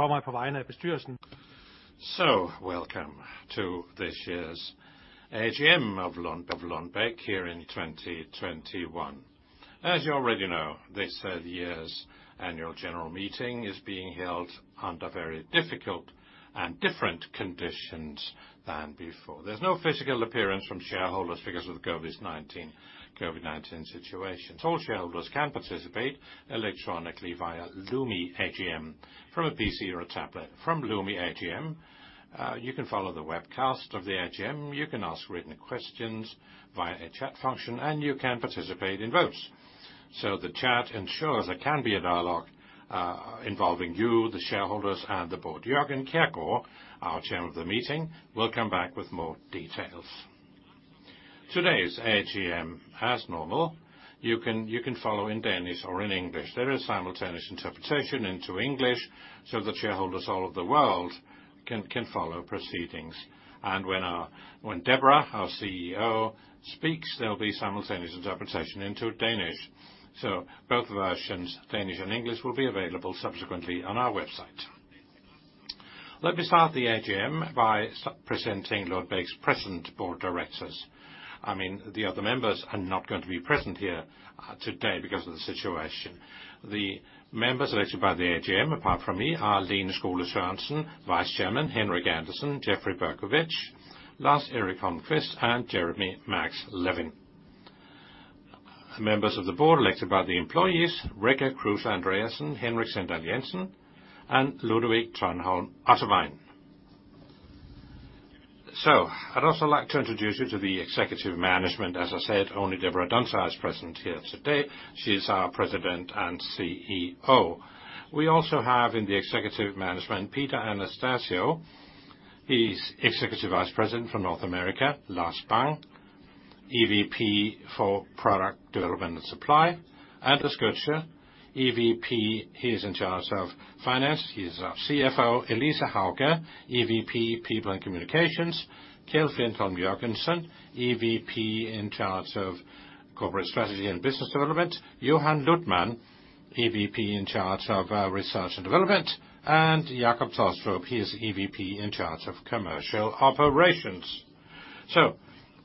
...for me on behalf of the Board. Welcome to this year's AGM of Lundbeck here in 2021. As you already know, this third year's annual general meeting is being held under very difficult and different conditions than before. There's no physical appearance from shareholders because of the COVID-19 situation. Shareholders can participate electronically via Lumi AGM, from a PC or a tablet. From Lumi AGM, you can follow the webcast of the AGM, you can ask written questions via a chat function, and you can participate in votes. The chat ensures there can be a dialogue involving you, the shareholders, and the board. Jørgen Kjergaard, our chairman of the meeting, will come back with more details. Today's AGM, as normal, you can follow in Danish or in English. There is simultaneous interpretation into English, so the shareholders all over the world can follow proceedings. When Deborah, our CEO, speaks, there will be simultaneous interpretation into Danish. Both versions, Danish and English, will be available subsequently on our website. Let me start the AGM by presenting Lundbeck's present board of directors. I mean, the other members are not going to be present here today because of the situation. The members elected by the AGM, apart from me, are Lene Skole Sørensen, Vice Chairman, Henrik Andersen, Jeffrey Berkowitz, Lars Erik Holmquist, and Jeremy Max Levin. Members of the board elected by the employees, Rikke Kruse Andreasen, Henrik Sindal Jensen, and Ludovic Tranholm Otterwein. I'd also like to introduce you to the executive management. As I said, only Deborah Dunsire is present here today. She's our President and CEO. We also have in the executive management, Peter Anastasiou, he's Executive Vice President for North America. Lars Bang, EVP for Product Development and Supply. Anders Götzsche, EVP, he is in charge of finance. He is our CFO. Elise Hauge, EVP, People and Communications. Keld Flintholm Jørgensen, EVP in charge of Corporate Strategy and Business Development. Johan Luthman, EVP in charge of Research and Development. And Jacob Tolstrup, he is EVP in charge of Commercial Operations. So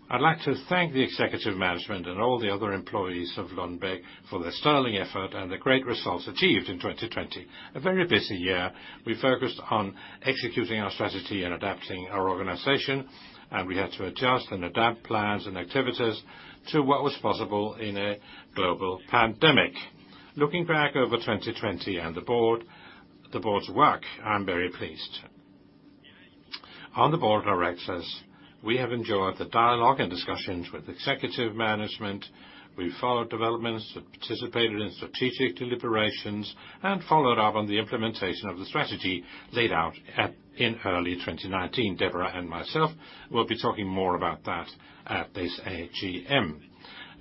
I'd like to thank the executive management and all the other employees of Lundbeck for their sterling effort and the great results achieved in twenty twenty. A very busy year. We focused on executing our strategy and adapting our organization, and we had to adjust and adapt plans and activities to what was possible in a global pandemic. Looking back over 2020, and the board, the board's work, I'm very pleased. On the board of directors, we have enjoyed the dialogue and discussions with executive management. We followed developments, participated in strategic deliberations, and followed up on the implementation of the strategy laid out in early 2019. Deborah and myself will be talking more about that at this AGM.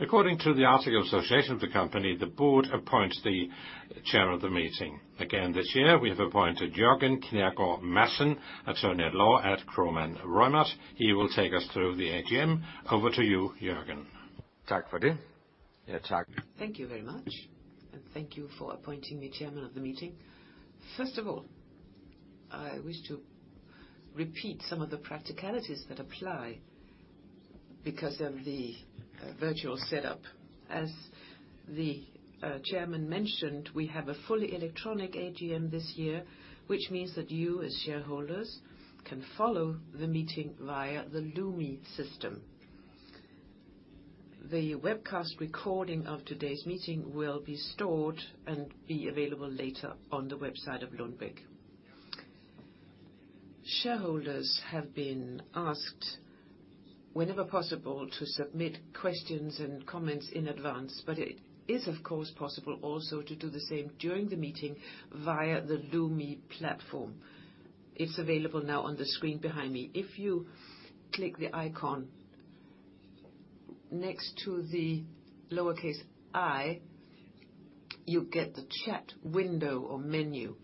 According to the articles of association of the company, the board appoints the chair of the meeting. Again, this year, we have appointed Jørgen Kjergaard Madsen, Attorney-at-Law at Kromann Reumert. He will take us through the AGM. Over to you, Jørgen. Thank you very much, and thank you for appointing me chairman of the meeting. First of all, I wish to repeat some of the practicalities that apply because of the virtual setup. As the chairman mentioned, we have a fully electronic AGM this year, which means that you, as shareholders, can follow the meeting via the Lumi system. The webcast recording of today's meeting will be stored and be available later on the website of Lundbeck. Shareholders have been asked, whenever possible, to submit questions and comments in advance, but it is, of course, possible also to do the same during the meeting via the Lumi platform. It's available now on the screen behind me. If you click the icon next to the lowercase I, you get the chat window or menu.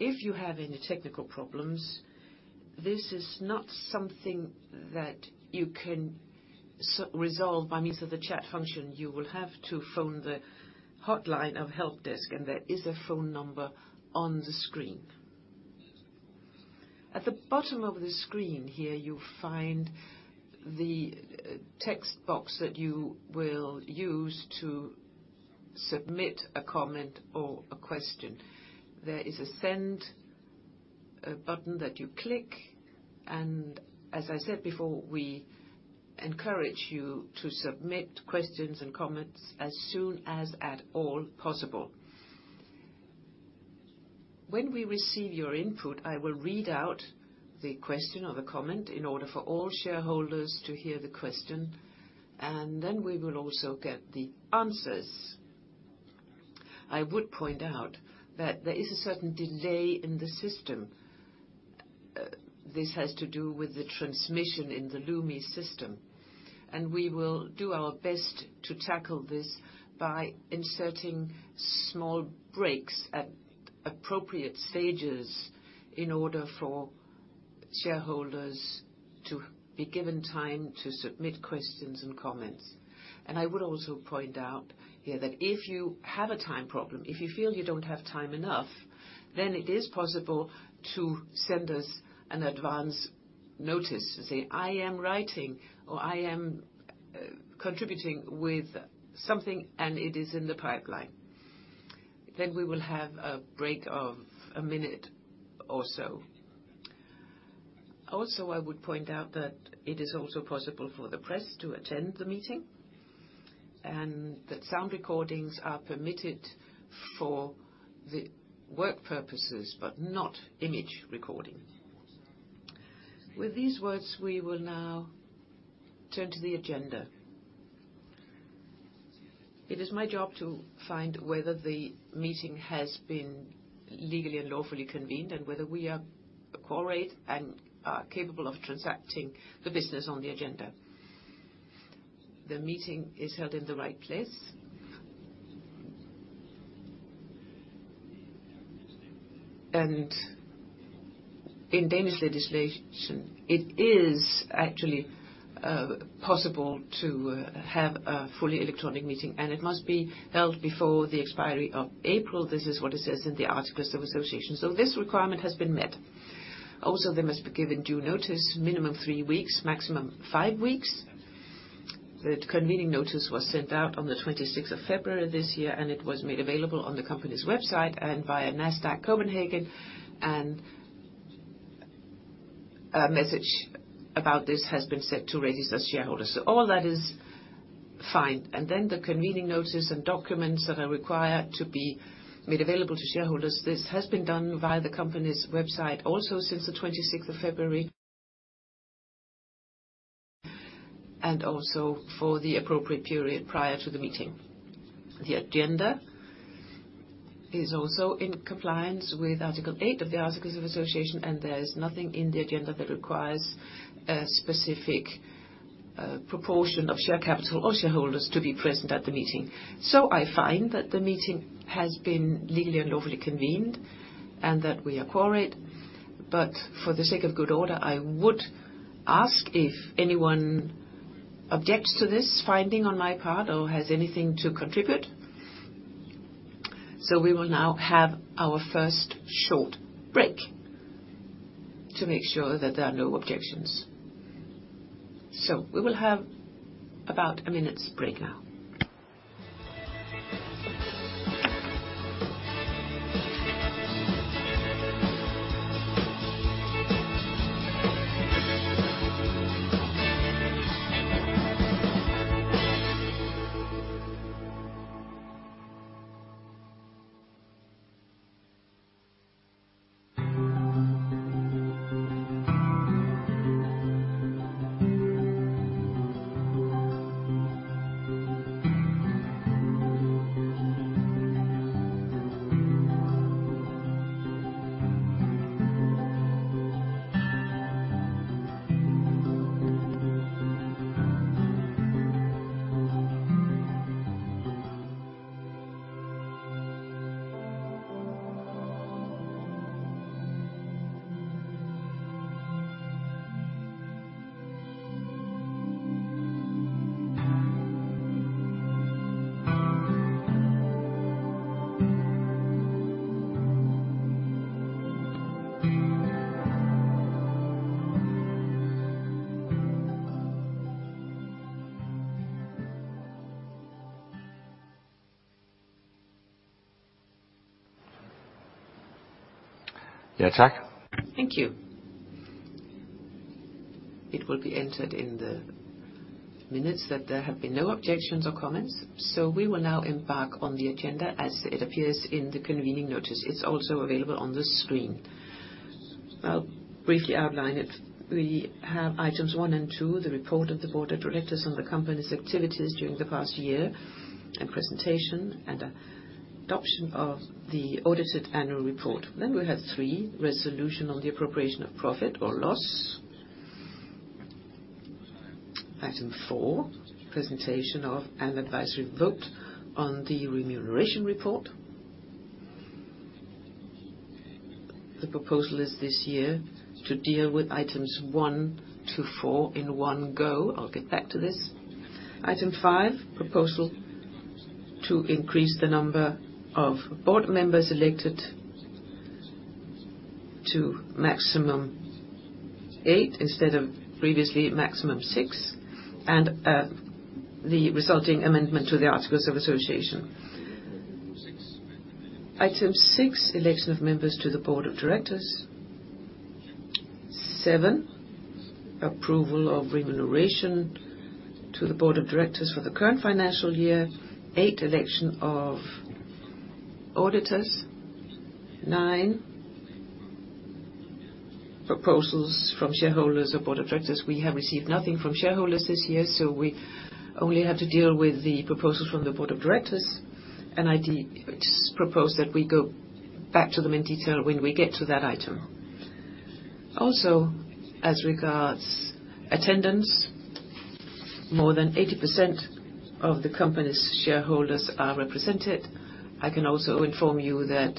If you have any technical problems, this is not something that you can resolve by means of the chat function. You will have to phone the hotline of helpdesk, and there is a phone number on the screen. At the bottom of the screen here, you'll find the text box that you will use to submit a comment or a question. There is a send button that you click, and as I said before, we encourage you to submit questions and comments as soon as at all possible. When we receive your input, I will read out the question or the comment in order for all shareholders to hear the question, and then we will also get the answers. I would point out that there is a certain delay in the system. This has to do with the transmission in the Lumi system, and we will do our best to tackle this by inserting small breaks at appropriate stages in order for shareholders to be given time to submit questions and comments. I would also point out here that if you have a time problem, if you feel you don't have time enough, then it is possible to send us an advance notice to say, "I am writing," or, "I am, contributing with something, and it is in the pipeline." Then we will have a break of a minute or so. Also, I would point out that it is also possible for the press to attend the meeting, and that sound recordings are permitted for the work purposes, but not image recording. With these words, we will now turn to the agenda. It is my job to find whether the meeting has been legally and lawfully convened, and whether we are quorate and are capable of transacting the business on the agenda. The meeting is held in the right place, and in Danish legislation, it is actually possible to have a fully electronic meeting, and it must be held before the expiry of April. This is what it says in the Articles of Association, so this requirement has been met. Also, they must be given due notice, minimum three weeks, maximum five weeks. The convening notice was sent out on the twenty-sixth of February this year, and it was made available on the company's website and via Nasdaq Copenhagen, and a message about this has been sent to registered shareholders, so all that is fine. And then the convening notice and documents that are required to be made available to shareholders, this has been done via the company's website, also since the twenty-sixth of February, and also for the appropriate period prior to the meeting. The agenda is also in compliance with Article eight of the Articles of Association, and there is nothing in the agenda that requires a specific proportion of share capital or shareholders to be present at the meeting. So I find that the meeting has been legally and lawfully convened, and that we are quorate. But for the sake of good order, I would ask if anyone objects to this finding on my part or has anything to contribute? So we will now have our first short break to make sure that there are no objections. So we will have about a minute's break now. Thank you. It will be entered in the minutes that there have been no objections or comments, so we will now embark on the agenda as it appears in the convening notice. It's also available on the screen. I'll briefly outline it. We have items one and two, the report of the Board of Directors on the company's activities during the past year, and presentation and adoption of the audited annual report. Then we have three, resolution on the appropriation of profit or loss. Item four, presentation of an advisory vote on the remuneration report. The proposal is this year to deal with items one to four in one go. I'll get back to this. Item five, proposal to increase the number of board members elected to maximum eight, instead of previously maximum six, and the resulting amendment to the Articles of Association. Item six, election of members to the Board of Directors. Seven, approval of remuneration to the Board of Directors for the current financial year. Eight, election of auditors. Nine, proposals from shareholders or Board of Directors. We have received nothing from shareholders this year, so we only have to deal with the proposals from the Board of Directors, and I just propose that we go back to them in detail when we get to that item. Also, as regards attendance. More than 80% of the company's shareholders are represented. I can also inform you that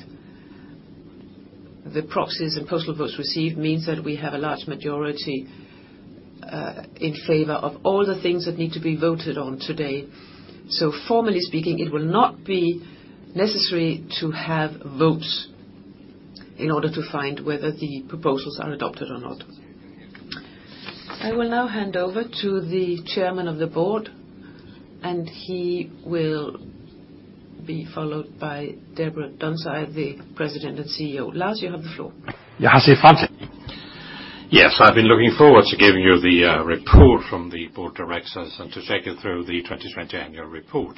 the proxies and postal votes received means that we have a large majority in favor of all the things that need to be voted on today. So formally speaking, it will not be necessary to have votes in order to find whether the proposals are adopted or not. I will now hand over to the chairman of the board, and he will be followed by Deborah Dunsire, the President and CEO. Lars, you have the floor. Yes, I've been looking forward to giving you the report from the board of directors and to take you through the 2020 annual report.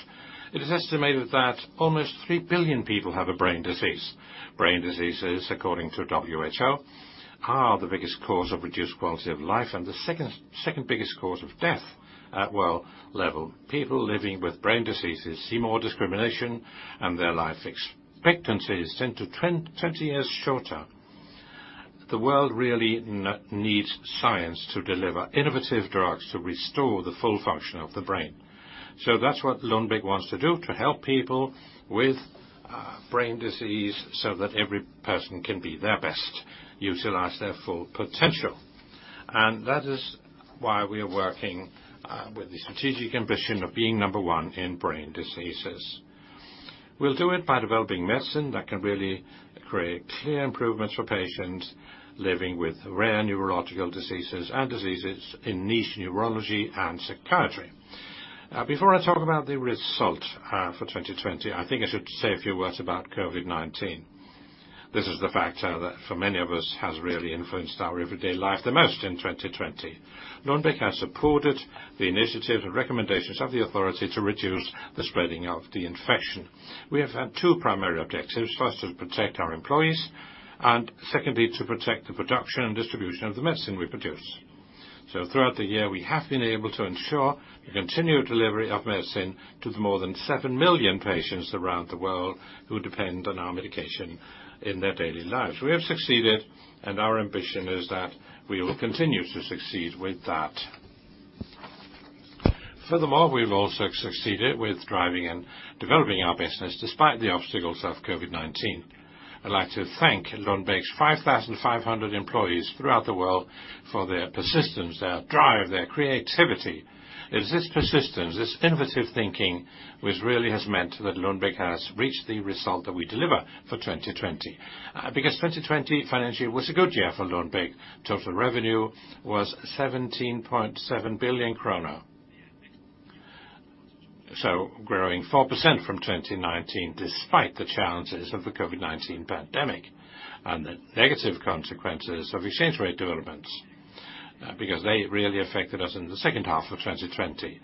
It is estimated that almost three billion people have a brain disease. Brain diseases, according to WHO, are the biggest cause of reduced quality of life and the second biggest cause of death at world level. People living with brain diseases see more discrimination, and their life expectancies tend to 20 years shorter. The world really needs science to deliver innovative drugs to restore the full function of the brain. So that's what Lundbeck wants to do to help people with brain disease so that every person can be their best, utilize their full potential. And that is why we are working with the strategic ambition of being number one in brain diseases. We'll do it by developing medicine that can really create clear improvements for patients living with rare neurological diseases and diseases in niche neurology and psychiatry. Before I talk about the result for 2020, I think I should say a few words about COVID-19. This is the factor that, for many of us, has really influenced our everyday life the most in 2020. Lundbeck has supported the initiatives and recommendations of the authority to reduce the spreading of the infection. We have had two primary objectives. First, to protect our employees, and secondly, to protect the production and distribution of the medicine we produce. So throughout the year, we have been able to ensure the continued delivery of medicine to the more than 7 million patients around the world who depend on our medication in their daily lives. We have succeeded, and our ambition is that we will continue to succeed with that. Furthermore, we've also succeeded with driving and developing our business despite the obstacles of COVID-19. I'd like to thank Lundbeck's 5,500 employees throughout the world for their persistence, their drive, their creativity. It's this persistence, this innovative thinking, which really has meant that Lundbeck has reached the result that we deliver for 2020. Because 2020 financially was a good year for Lundbeck. Total revenue was 17.7 billion krone, so growing 4% from 2019, despite the challenges of the COVID-19 pandemic and the negative consequences of exchange rate developments, because they really affected us in the second half of 2020.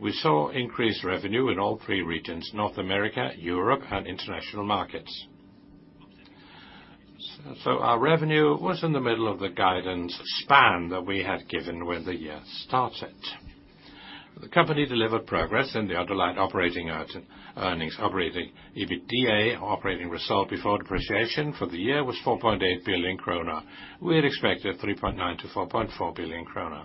We saw increased revenue in all three regions, North America, Europe, and international markets. Our revenue was in the middle of the guidance span that we had given when the year started. The company delivered progress in the underlying operating earnings. Operating EBITDA, operating result before depreciation for the year was 4.8 billion krone. We had expected 3.9-4.4 billion krone.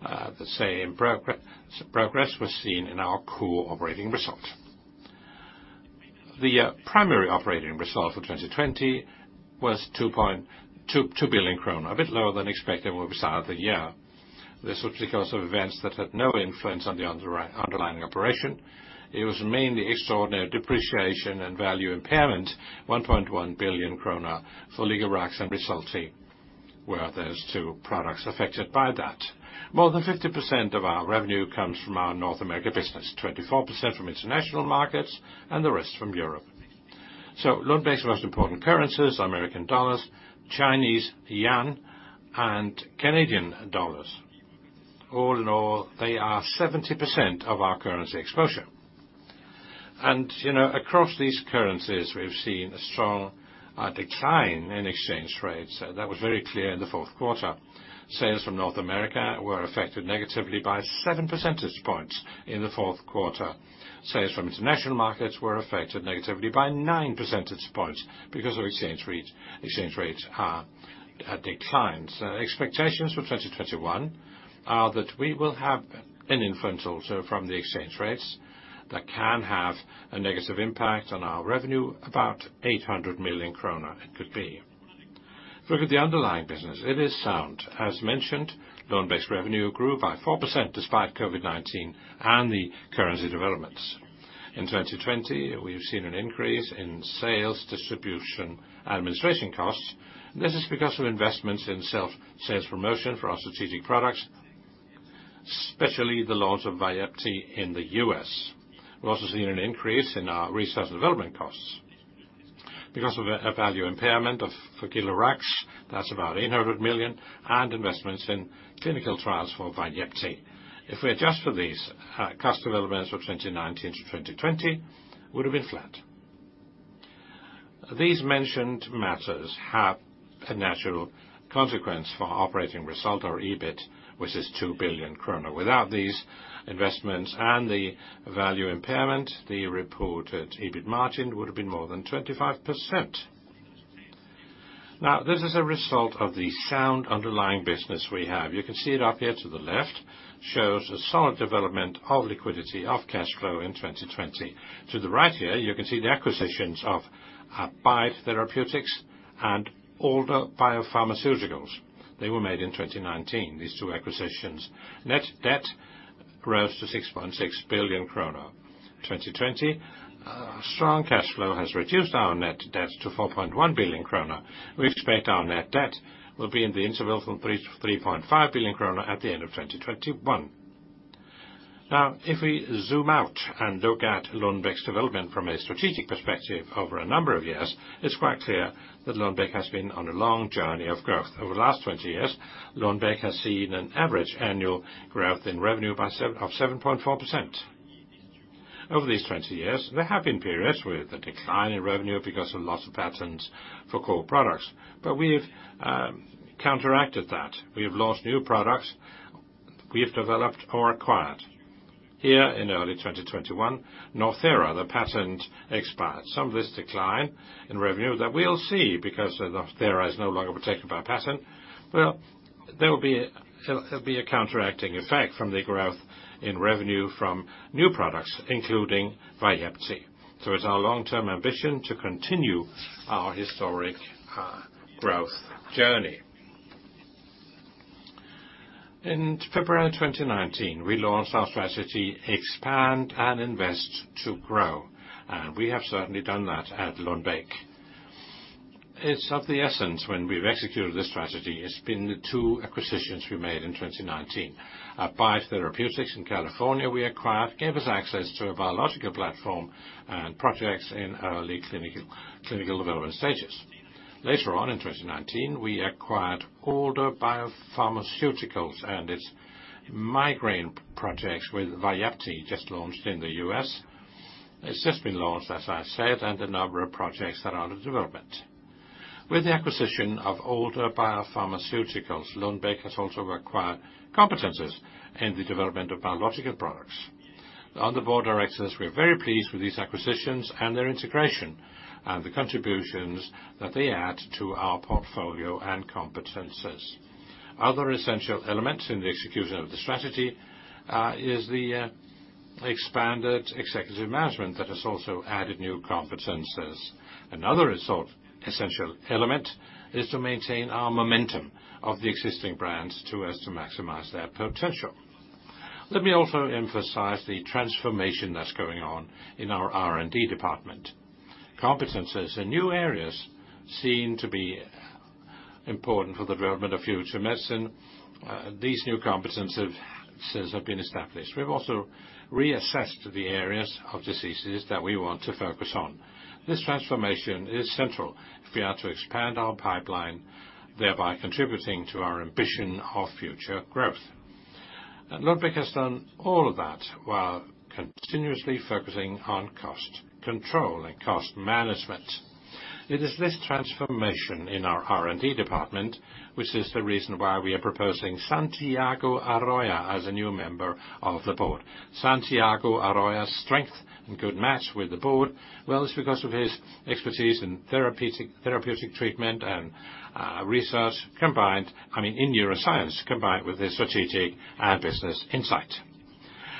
The same progress was seen in our core operating results. The primary operating result for 2020 was 2.2 billion krona, a bit lower than expected when we started the year. This was because of events that had no influence on the underlying operation. It was mainly extraordinary depreciation and value impairment, 1.1 billion kroner for Foliglurax and Rexulti, where those two products affected by that. More than 50% of our revenue comes from our North America business, 24% from international markets, and the rest from Europe. So Lundbeck's most important currencies, American dollars, Chinese yen, and Canadian dollars. All in all, they are 70% of our currency exposure. And, you know, across these currencies, we've seen a strong decline in exchange rates. That was very clear in the fourth quarter. Sales from North America were affected negatively by seven percentage points in the fourth quarter. Sales from international markets were affected negatively by nine percentage points because of exchange rates declines. Expectations for 2021 are that we will have an influence also from the exchange rates that can have a negative impact on our revenue, about 800 million krone, it could be. Look at the underlying business. It is sound. As mentioned, Lundbeck's revenue grew by 4% despite COVID-19 and the currency developments. In 2020, we've seen an increase in sales, distribution, administration costs. This is because of investments in self-sales promotion for our strategic products, especially the launch of Vyepti in the U.S. We've also seen an increase in our research and development costs. Because of a value impairment of, for Foliglurax, that's about 800 million, and investments in clinical trials for Vyepti. If we adjust for these, cost developments for 2019-2020, would have been flat. These mentioned matters have a natural consequence for our operating result, or EBIT, which is 2 billion krone. Without these investments and the value impairment, the reported EBIT margin would have been more than 25%. Now, this is a result of the sound underlying business we have. You can see it up here to the left, shows a solid development of liquidity, of cash flow in 2020. To the right here, you can see the acquisitions of Abide Therapeutics and Alder BioPharmaceuticals. They were made in 2019, these two acquisitions. Net debt rose to 6.6 billion kroner. 2020 strong cash flow has reduced our net debt to 4.1 billion kroner. We expect our net debt will be in the interval from 3 billion to 3.5 billion kroner at the end of 2021. Now, if we zoom out and look at Lundbeck's development from a strategic perspective over a number of years, it's quite clear that Lundbeck has been on a long journey of growth. Over the last 20 years, Lundbeck has seen an average annual growth in revenue by 7.4%. Over these twenty years, there have been periods with a decline in revenue because of loss of patents for core products, but we've counteracted that. We have launched new products we have developed or acquired. Here, in early twenty twenty-one, Northera, the patent expired. Some of this decline in revenue that we'll see because Northera is no longer protected by a patent. Well, there will be. It'll be a counteracting effect from the growth in revenue from new products, including Vyepti. So it's our long-term ambition to continue our historic growth journey. In February twenty nineteen, we launched our strategy, Expand and Invest to Grow, and we have certainly done that at Lundbeck. It's of the essence, when we've executed this strategy, it's been the two acquisitions we made in twenty nineteen. Abide Therapeutics in California, we acquired, gave us access to a biological platform and projects in early clinical development stages. Later on, in 2019, we acquired Alder BioPharmaceuticals and its migraine projects with Vyepti, just launched in the U.S. It's just been launched, as I said, and a number of projects that are under development. With the acquisition of Alder BioPharmaceuticals, Lundbeck has also acquired competencies in the development of biological products. On the board of directors, we are very pleased with these acquisitions and their integration, and the contributions that they add to our portfolio and competencies. Other essential elements in the execution of the strategy is the expanded executive management that has also added new competencies. Another result, essential element is to maintain our momentum of the existing brands to us to maximize their potential. Let me also emphasize the transformation that's going on in our R&D department. Competencies in new areas seem to be important for the development of future medicine. These new competencies have been established. We've also reassessed the areas of diseases that we want to focus on. This transformation is central if we are to expand our pipeline, thereby contributing to our ambition of future growth, and Lundbeck has done all of that while continuously focusing on cost control and cost management. It is this transformation in our R&D department, which is the reason why we are proposing Santiago Arroyo as a new member of the board. Santiago Arroyo's strength and good match with the board, well, it's because of his expertise in therapeutic, therapeutic treatment and research combined, I mean, in neuroscience, combined with his strategic and business insight.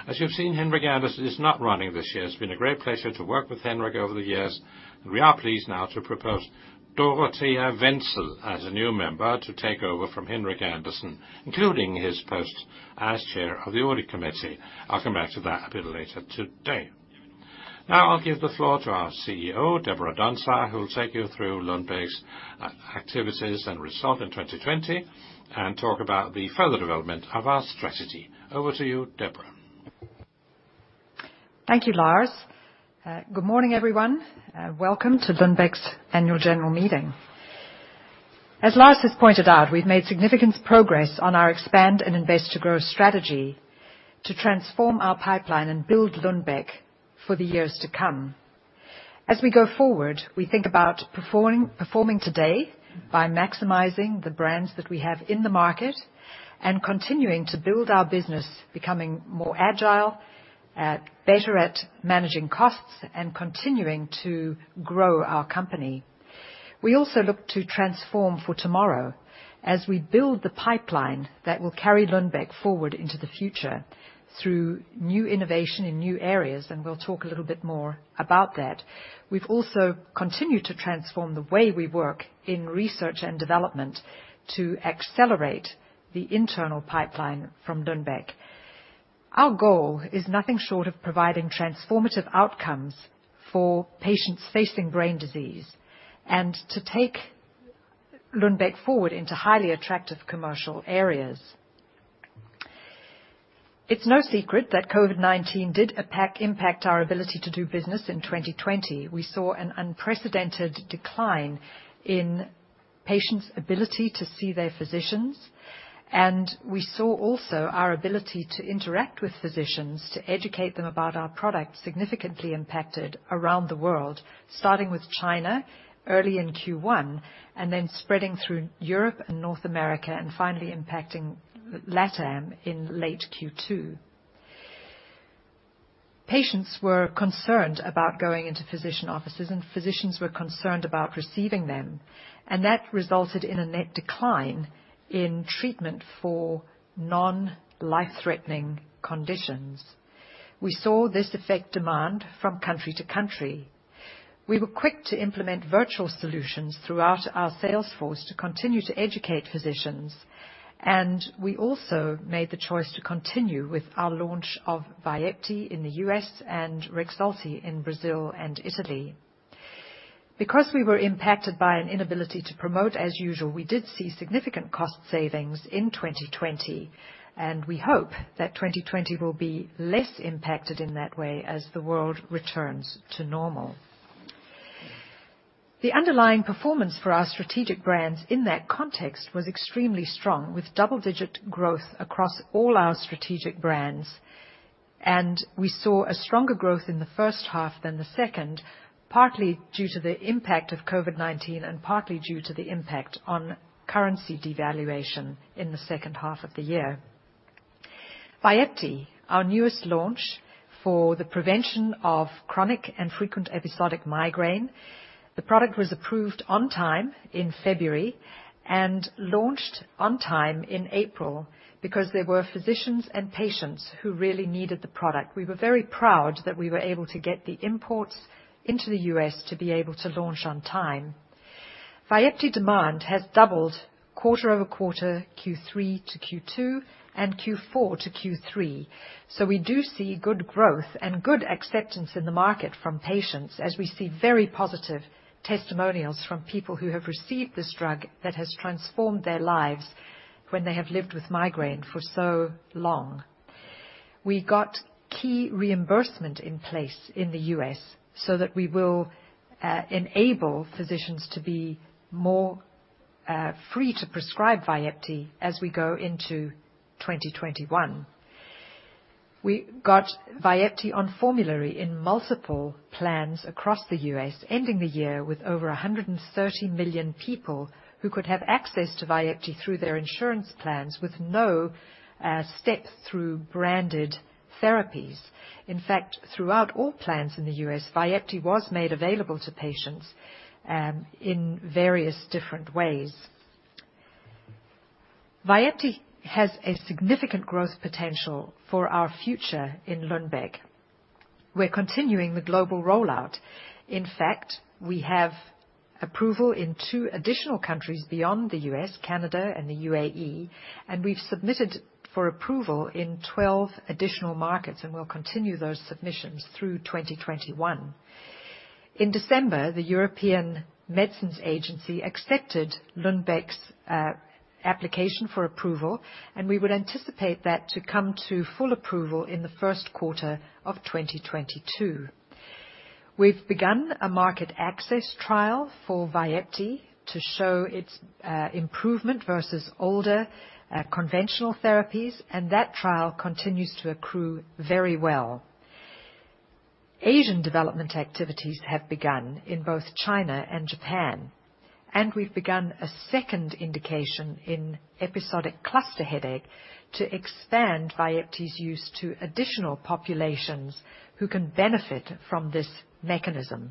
As you've seen, Henrik Andersen is not running this year. It's been a great pleasure to work with Henrik over the years, and we are pleased now to propose Dorothea Wenzel as a new member to take over from Henrik Andersen, including his post as chair of the audit committee. I'll come back to that a bit later today. Now, I'll give the floor to our CEO, Deborah Dunsire, who will take you through Lundbeck's activities and results in twenty twenty, and talk about the further development of our strategy. Over to you, Deborah. Thank you, Lars. Good morning, everyone. Welcome to Lundbeck's annual general meeting. As Lars has pointed out, we've made significant progress on our Expand and Invest to Grow strategy to transform our pipeline and build Lundbeck for the years to come. As we go forward, we think about performing today by maximizing the brands that we have in the market and continuing to build our business, becoming more agile, better at managing costs, and continuing to grow our company. We also look to transform for tomorrow as we build the pipeline that will carry Lundbeck forward into the future through new innovation in new areas, and we'll talk a little bit more about that. We've also continued to transform the way we work in research and development to accelerate the internal pipeline from Lundbeck. Our goal is nothing short of providing transformative outcomes for patients facing brain disease and to take Lundbeck forward into highly attractive commercial areas. It's no secret that COVID-19 did impact our ability to do business in 2020. We saw an unprecedented decline in patients' ability to see their physicians, and we saw also our ability to interact with physicians, to educate them about our products, significantly impacted around the world, starting with China early in Q1, and then spreading through Europe and North America, and finally impacting LATAM in late Q2. Patients were concerned about going into physician offices, and physicians were concerned about receiving them, and that resulted in a net decline in treatment for non-life-threatening conditions. We saw this affect demand from country to country. We were quick to implement virtual solutions throughout our sales force to continue to educate physicians, and we also made the choice to continue with our launch of Vyepti in the U.S. and Rexulti in Brazil and Italy. Because we were impacted by an inability to promote as usual, we did see significant cost savings in 2020, and we hope that 2021 will be less impacted in that way as the world returns to normal. The underlying performance for our strategic brands in that context was extremely strong, with double-digit growth across all our strategic brands, and we saw a stronger growth in the first half than the second, partly due to the impact of COVID-19 and partly due to the impact on currency devaluation in the second half of the year. Vyepti, our newest launch for the prevention of chronic and frequent episodic migraine. The product was approved on time in February and launched on time in April because there were physicians and patients who really needed the product. We were very proud that we were able to get the imports into the U.S. to be able to launch on time. Vyepti demand has doubled quarter over quarter, Q3 to Q2 and Q4 to Q3. So we do see good growth and good acceptance in the market from patients as we see very positive testimonials from people who have received this drug that has transformed their lives when they have lived with migraine for so long. We got key reimbursement in place in the U.S. so that we will enable physicians to be more free to prescribe Vyepti as we go into twenty twenty-one. We got Vyepti on formulary in multiple plans across the U.S., ending the year with over 130 million people who could have access to Vyepti through their insurance plans with no step through branded therapies. In fact, throughout all plans in the U.S., Vyepti was made available to patients in various different ways. Vyepti has a significant growth potential for our future in Lundbeck. We're continuing the global rollout. In fact, we have approval in two additional countries beyond the U.S., Canada, and the UAE, and we've submitted for approval in 12 additional markets, and we'll continue those submissions through 2021. In December, the European Medicines Agency accepted Lundbeck's application for approval, and we would anticipate that to come to full approval in the first quarter of 2022. We've begun a market access trial for Vyepti to show its improvement versus older conventional therapies, and that trial continues to accrue very well. Asian development activities have begun in both China and Japan, and we've begun a second indication in episodic cluster headache to expand Vyepti's use to additional populations who can benefit from this mechanism.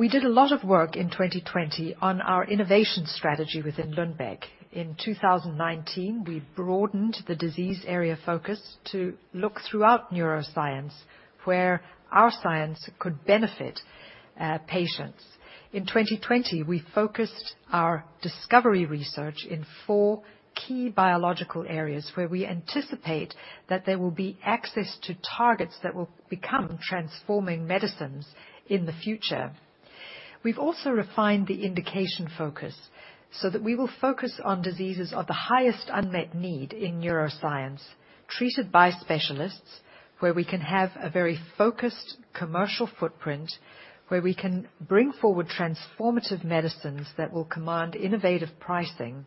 We did a lot of work in 2020 on our innovation strategy within Lundbeck. In 2019, we broadened the disease area focus to look throughout neuroscience, where our science could benefit patients. In 2020, we focused our discovery research in four key biological areas, where we anticipate that there will be access to targets that will become transforming medicines in the future. We've also refined the indication focus so that we will focus on diseases of the highest unmet need in neuroscience, treated by specialists, where we can have a very focused commercial footprint, where we can bring forward transformative medicines that will command innovative pricing,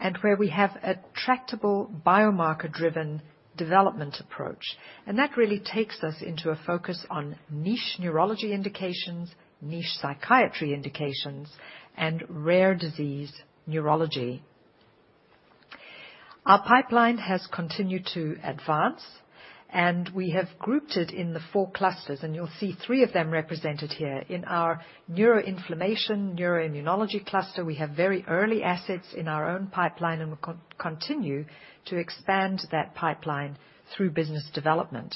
and where we have a tractable, biomarker-driven development approach. And that really takes us into a focus on niche neurology indications, niche psychiatry indications, and rare disease neurology. Our pipeline has continued to advance, and we have grouped it in the four clusters, and you'll see three of them represented here. In our neuroinflammation, neuroimmunology cluster, we have very early assets in our own pipeline, and we continue to expand that pipeline through business development.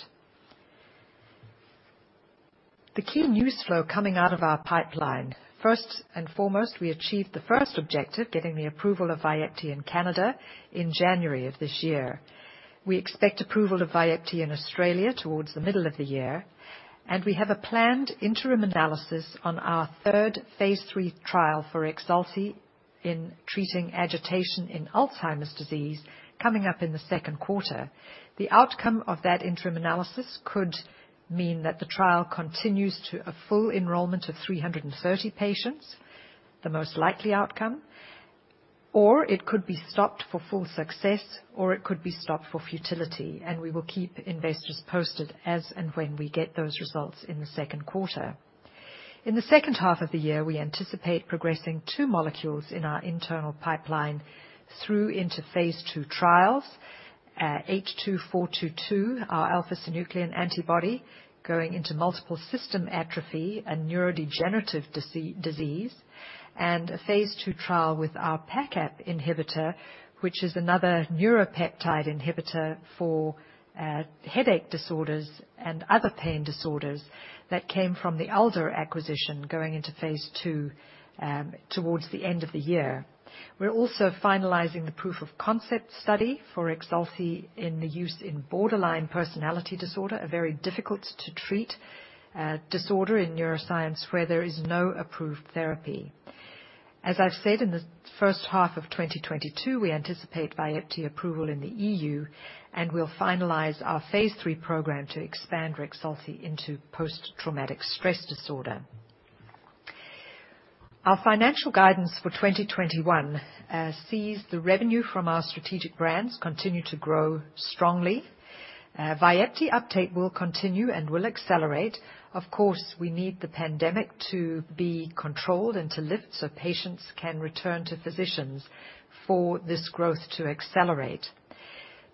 The key news flow coming out of our pipeline: First and foremost, we achieved the first objective, getting the approval of Vyepti in Canada in January of this year. We expect approval of Vyepti in Australia towards the middle of the year, and we have a planned interim analysis on our third phase III trial for Rexulti in treating agitation in Alzheimer's disease coming up in the second quarter. The outcome of that interim analysis could mean that the trial continues to a full enrollment of three hundred and thirty patients, the most likely outcome, or it could be stopped for full success, or it could be stopped for futility, and we will keep investors posted as and when we get those results in the second quarter. In the second half of the year, we anticipate progressing two molecules in our internal pipeline through into phase two trials. Lu AF82422, our alpha-synuclein antibody, going into multiple system atrophy and neurodegenerative disease, and a phase two trial with our PACAP inhibitor, which is another neuropeptide inhibitor for headache disorders and other pain disorders that came from the Alder acquisition going into phase two, towards the end of the year. We're also finalizing the proof of concept study for Rexulti in the use in borderline personality disorder, a very difficult to treat disorder in neuroscience, where there is no approved therapy. As I've said, in the first half of twenty twenty-two, we anticipate Vyepti approval in the EU, and we'll finalize our phase three program to expand Rexulti into post-traumatic stress disorder. Our financial guidance for twenty twenty-one sees the revenue from our strategic brands continue to grow strongly. Vyepti uptake will continue and will accelerate. Of course, we need the pandemic to be controlled and to lift, so patients can return to physicians for this growth to accelerate.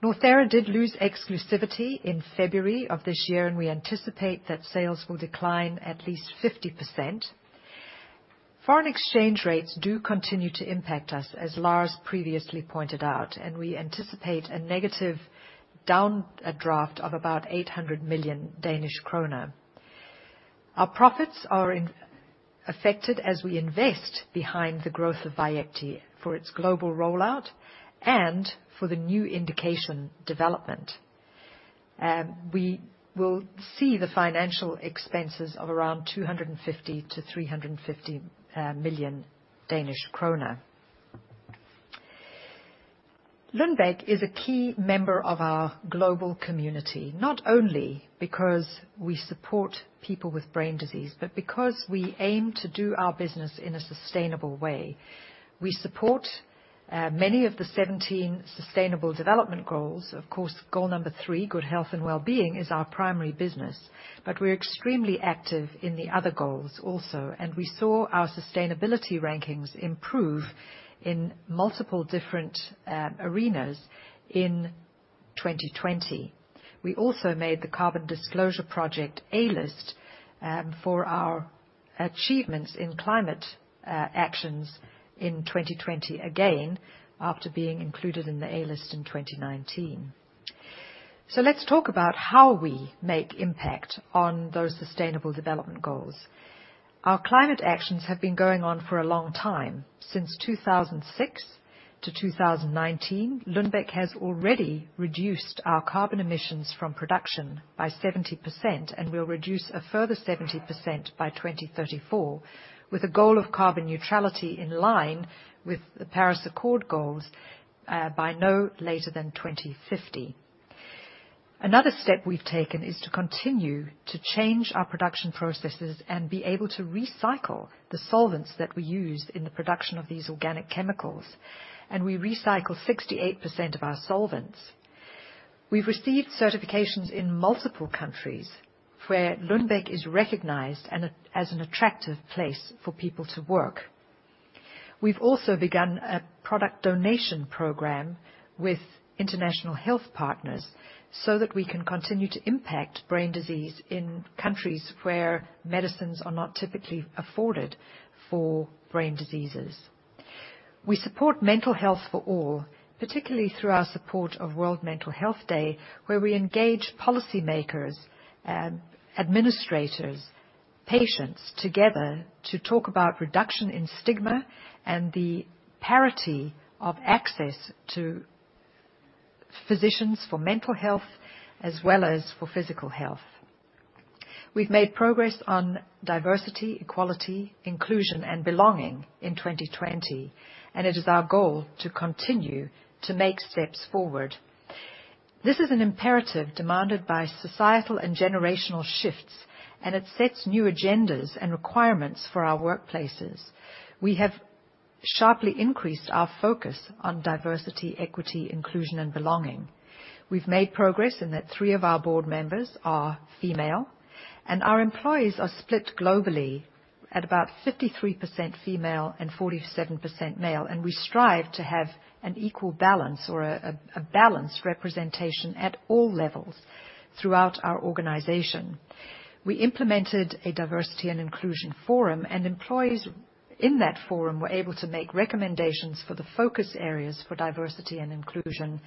Northera did lose exclusivity in February of this year, and we anticipate that sales will decline at least 50%. Foreign exchange rates do continue to impact us, as Lars previously pointed out, and we anticipate a negative downdraft of about 800 million Danish kroner. Our profits are impacted as we invest behind the growth of Vyepti for its global rollout and for the new indication development. We will see the financial expenses of around 250 million-350 million Danish kroner. Lundbeck is a key member of our global community, not only because we support people with brain disease, but because we aim to do our business in a sustainable way. We support many of the seventeen sustainable development goals. Of course, goal number three, good health and well-being, is our primary business, but we're extremely active in the other goals also, and we saw our sustainability rankings improve in multiple different arenas in 2020. We also made the Carbon Disclosure Project A List for our achievements in climate actions in 2020 again, after being included in the A List in 2019. So let's talk about how we make impact on those sustainable development goals. Our climate actions have been going on for a long time. Since 2006-2019, Lundbeck has already reduced our carbon emissions from production by 70%, and we'll reduce a further 70% by 2034, with a goal of carbon neutrality in line with the Paris Accord goals by no later than 2050. Another step we've taken is to continue to change our production processes and be able to recycle the solvents that we use in the production of these organic chemicals, and we recycle 68% of our solvents. We've received certifications in multiple countries where Lundbeck is recognized as an attractive place for people to work. We've also begun a product donation program with International Health Partners so that we can continue to impact brain disease in countries where medicines are not typically afforded for brain diseases. We support mental health for all, particularly through our support of World Mental Health Day, where we engage policymakers, administrators, patients together to talk about reduction in stigma and the parity of access to physicians for mental health as well as for physical health. We've made progress on diversity, equality, inclusion, and belonging in 2020, and it is our goal to continue to make steps forward. This is an imperative demanded by societal and generational shifts, and it sets new agendas and requirements for our workplaces. We have sharply increased our focus on diversity, equity, inclusion, and belonging. We've made progress in that three of our board members are female, and our employees are split globally at about 53% female and 47% male, and we strive to have an equal balance or a balanced representation at all levels throughout our organization. We implemented a diversity and inclusion forum, and employees in that forum were able to make recommendations for the focus areas for diversity and inclusion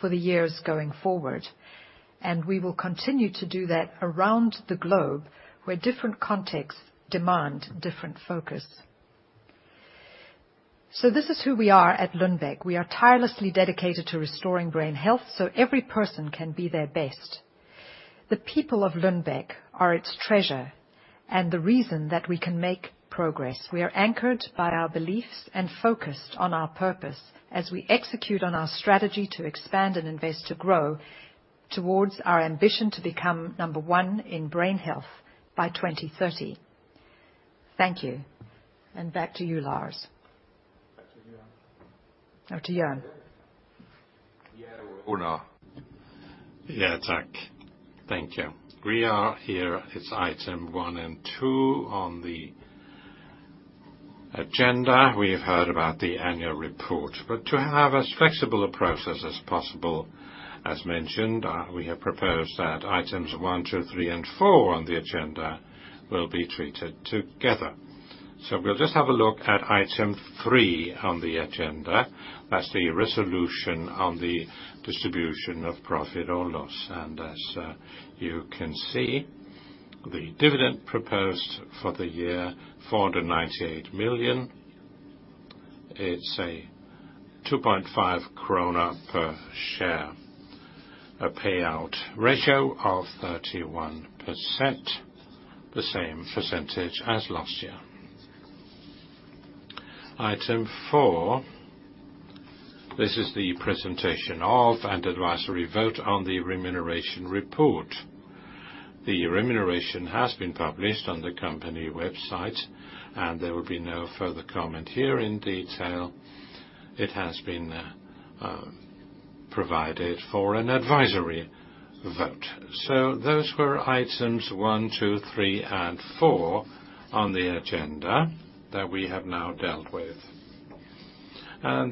for the years going forward, and we will continue to do that around the globe, where different contexts demand different focus. So this is who we are at Lundbeck. We are tirelessly dedicated to restoring brain health so every person can be their best. The people of Lundbeck are its treasure and the reason that we can make progress. We are anchored by our beliefs and focused on our purpose as we execute on our strategy to expand and invest to grow towards our ambition to become number one in brain health by twenty thirty. Thank you, and back to you, Lars. Back to you. Back to Jørgen.... Yeah, Uno. Yeah, tack. Thank you. We are here, it's item one and two on the agenda. We've heard about the annual report, but to have as flexible a process as possible, as mentioned, we have proposed that items one, two, three, and four on the agenda will be treated together. So we'll just have a look at item three on the agenda. That's the resolution on the distribution of profit or loss. And as you can see, the dividend proposed for the year, 498 million. It's a 2.5 krone per share, a payout ratio of 31%, the same percentage as last year. Item four, this is the presentation of, and advisory vote on the remuneration report. The remuneration has been published on the company website, and there will be no further comment here in detail. It has been provided for an advisory vote. So those were items one, two, three, and four on the agenda that we have now dealt with.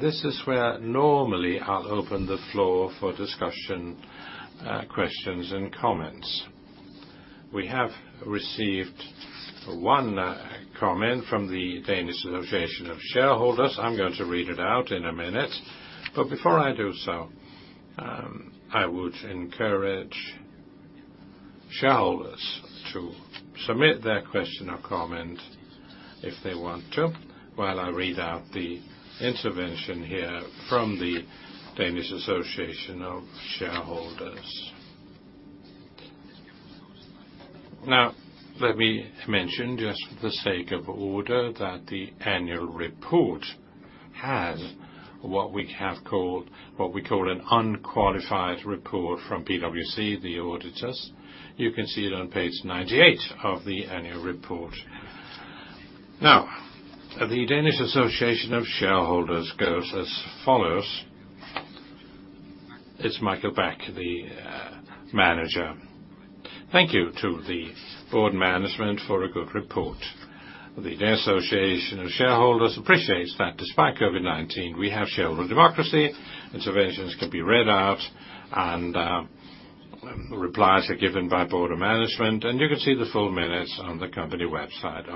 This is where normally I'll open the floor for discussion, questions and comments. We have received one comment from the Danish Association of Shareholders. I'm going to read it out in a minute, but before I do so, I would encourage shareholders to submit their question or comment if they want to, while I read out the intervention here from the Danish Association of Shareholders. Now, let me mention, just for the sake of order, that the annual report has what we call an unqualified report from PwC, the auditors. You can see it on page 98 of the annual report. Now, the Danish Association of Shareholders goes as follows. It's Mikael Bak, the manager. "Thank you to the board management for a good report. The Danish Association of Shareholders appreciates that despite COVID-19, we have shareholder democracy, interventions can be read out, and replies are given by board of management, and you can see the full minutes on the company website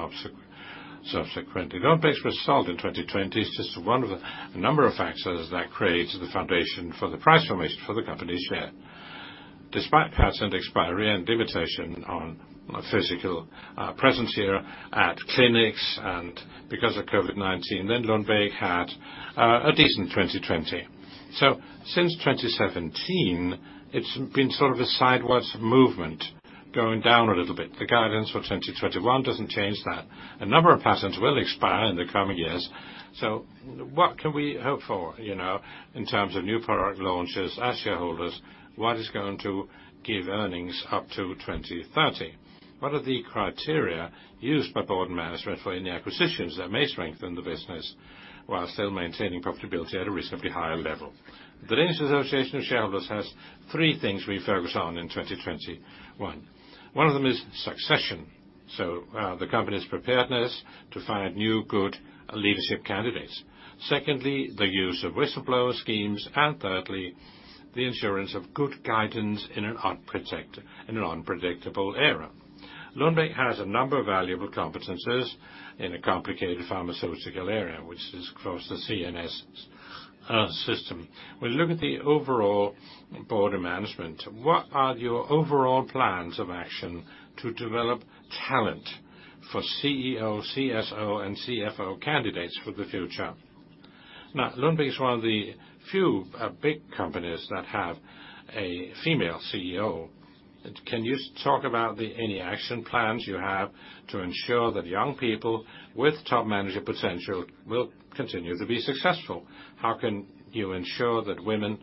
subsequently. Lundbeck was sold in 2020. It's just one of a number of factors that creates the foundation for the price formation for the company share. Despite patent expiry and limitation on physical presence here at clinics and because of COVID-19, then Lundbeck had a decent 2020. So since 2017, it's been sort of a sideways movement, going down a little bit. The guidance for 2021 doesn't change that. A number of patents will expire in the coming years. So what can we hope for, you know, in terms of new product launches, as shareholders, what is going to give earnings up to 2030? What are the criteria used by board management for any acquisitions that may strengthen the business while still maintaining profitability at a reasonably higher level? The Danish Association of Shareholders has three things we focus on in 2021. One of them is succession, so, the company's preparedness to find new, good leadership candidates. Secondly, the use of whistleblower schemes, and thirdly, the insurance of good guidance in an unpredictable era. Lundbeck has a number of valuable competencies in a complicated pharmaceutical area, which is across the CNS system. We look at the overall board of management. What are your overall plans of action to develop talent for CEO, CSO, and CFO candidates for the future? Now, Lundbeck is one of the few, big companies that have a female CEO. Can you talk about the, any action plans you have to ensure that young people with top manager potential will continue to be successful? How can you ensure that women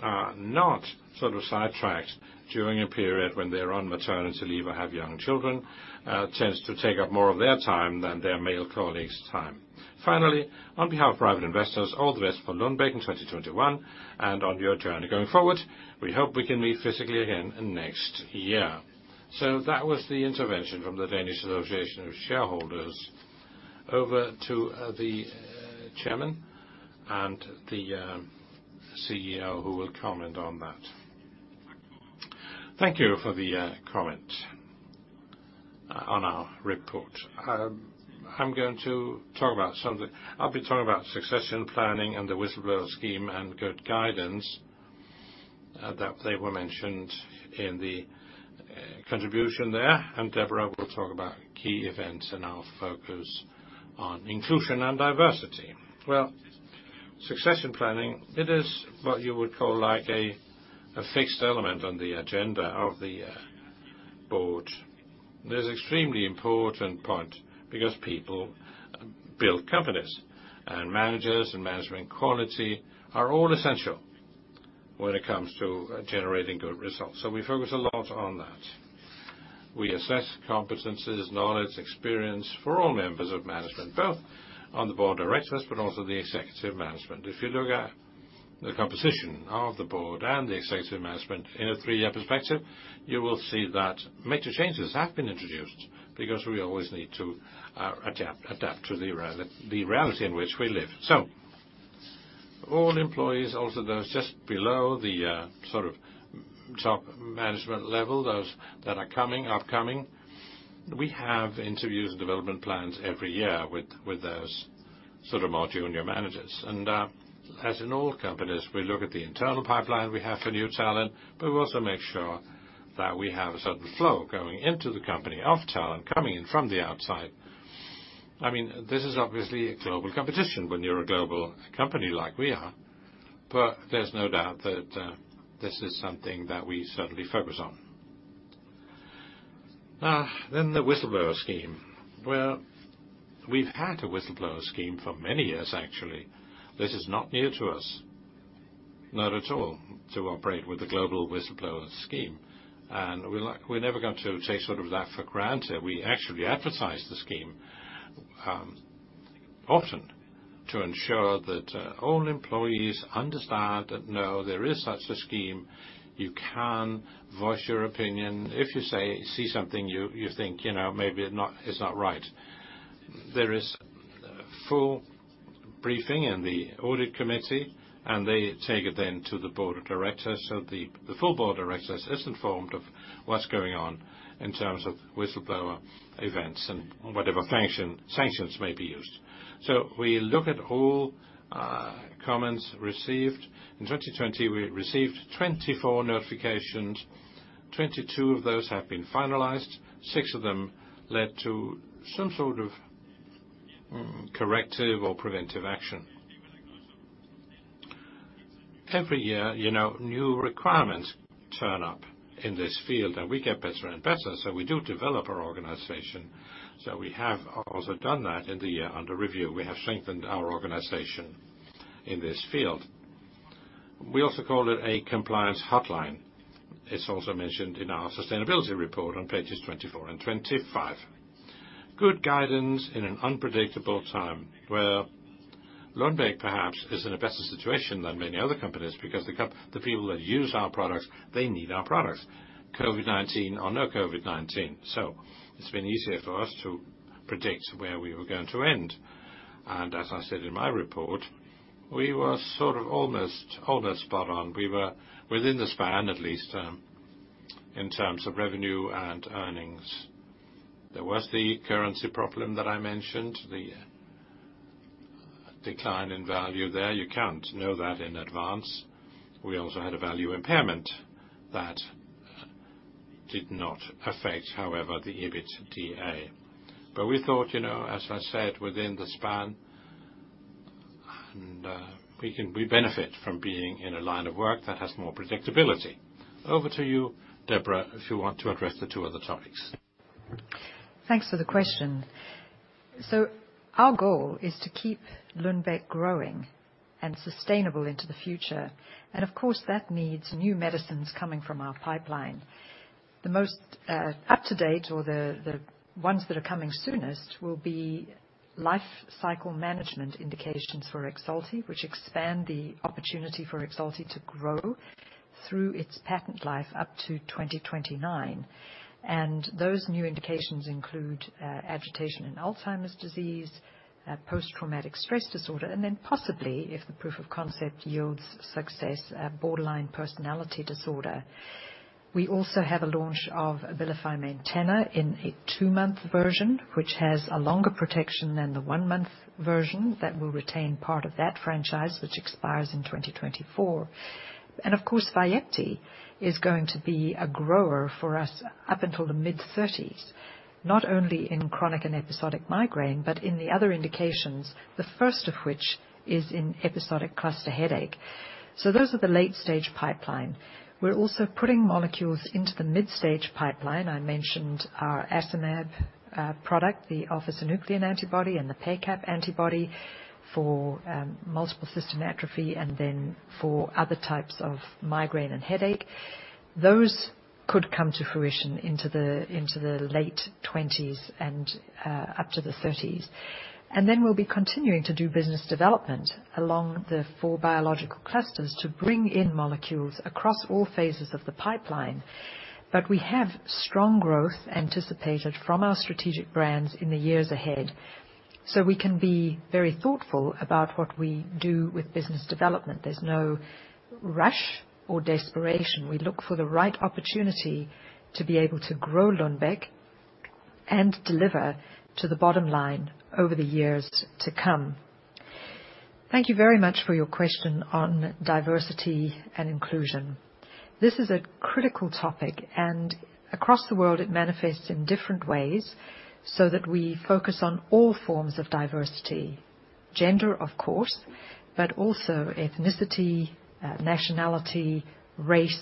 are not sort of sidetracked during a period when they're on maternity leave or have young children, tends to take up more of their time than their male colleagues' time. Finally, on behalf of private investors, all the best for Lundbeck in 2021 and on your journey going forward, we hope we can meet physically again next year. So that was the intervention from the Danish Association of Shareholders. Over to, the chairman and the, CEO, who will comment on that. Thank you for the, comment on our report. I'm going to talk about something. I'll be talking about succession planning and the whistleblower scheme and good guidance, that they were mentioned in the, contribution there, and Deborah will talk about key events and our focus on inclusion and diversity. Well, succession planning, it is what you would call, like, a fixed element on the agenda of the, board. There's extremely important point, because people build companies, and managers and management quality are all essential when it comes to generating good results. So we focus a lot on that.... We assess competencies, knowledge, experience for all members of management, both on the board of directors, but also the executive management. If you look at the composition of the board and the executive management in a three-year perspective, you will see that major changes have been introduced because we always need to adapt to the reality in which we live. So all employees, also those just below the sort of top management level, those that are coming, upcoming, we have interviews and development plans every year with those sort of more junior managers. And as in all companies, we look at the internal pipeline we have for new talent, but we also make sure that we have a certain flow going into the company of talent coming in from the outside. I mean, this is obviously a global competition when you're a global company like we are, but there's no doubt that this is something that we certainly focus on. Now, then, the whistleblower scheme, where we've had a whistleblower scheme for many years, actually. This is not new to us, not at all, to operate with a global whistleblower scheme, and we're like, we're never going to take sort of that for granted. We actually advertise the scheme often to ensure that all employees understand and know there is such a scheme. You can voice your opinion if you see something you think, you know, maybe it not, it's not right. There is full briefing in the audit committee, and they take it then to the board of directors. So the full board of directors is informed of what's going on in terms of whistleblower events and whatever function, sanctions may be used. So we look at all comments received. In 2020, we received 24 notifications, 22 of those have been finalized. Six of them led to some sort of corrective or preventive action. Every year, you know, new requirements turn up in this field, and we get better and better, so we do develop our organization, so we have also done that in the year under review. We have strengthened our organization in this field. We also called it a compliance hotline. It's also mentioned in our sustainability report on pages 24 and 25. Good guidance in an unpredictable time, where Lundbeck perhaps is in a better situation than many other companies because the people that use our products, they need our products, COVID-19 or no COVID-19, so it's been easier for us to predict where we were going to end, and as I said in my report, we were sort of almost spot on. We were within the span, at least, in terms of revenue and earnings. There was the currency problem that I mentioned, the decline in value there. You can't know that in advance. We also had a value impairment that did not affect, however, the EBITDA. But we thought, you know, as I said, within the span, and we benefit from being in a line of work that has more predictability. Over to you, Deborah, if you want to address the two other topics. Thanks for the question. So our goal is to keep Lundbeck growing and sustainable into the future, and of course, that needs new medicines coming from our pipeline. The most up-to-date or the ones that are coming soonest will be life cycle management indications for Rexulti, which expand the opportunity for Rexulti to grow through its patent life up to 2029. And those new indications include agitation in Alzheimer's disease, post-traumatic stress disorder, and then possibly, if the proof of concept yields success, borderline personality disorder. We also have a launch of Abilify Maintena in a two-month version, which has a longer protection than the one-month version that will retain part of that franchise, which expires in 2024. And of course, Vyepti is going to be a grower for us up until the mid-thirties, not only in chronic and episodic migraine, but in the other indications, the first of which is in episodic cluster headache. So those are the late-stage pipeline. We're also putting molecules into the mid-stage pipeline. I mentioned our alpha-syn product, the alpha-synuclein antibody, and the PACAP antibody for multiple system atrophy, and then for other types of migraine and headache. Those could come to fruition into the late twenties and up to the thirties. And then we'll be continuing to do business development along the four biological clusters to bring in molecules across all phases of the pipeline. But we have strong growth anticipated from our strategic brands in the years ahead, so we can be very thoughtful about what we do with business development. There's no rush or desperation. We look for the right opportunity to be able to grow Lundbeck and deliver to the bottom line over the years to come. Thank you very much for your question on diversity and inclusion. This is a critical topic, and across the world, it manifests in different ways so that we focus on all forms of diversity. Gender, of course, but also ethnicity, nationality, race,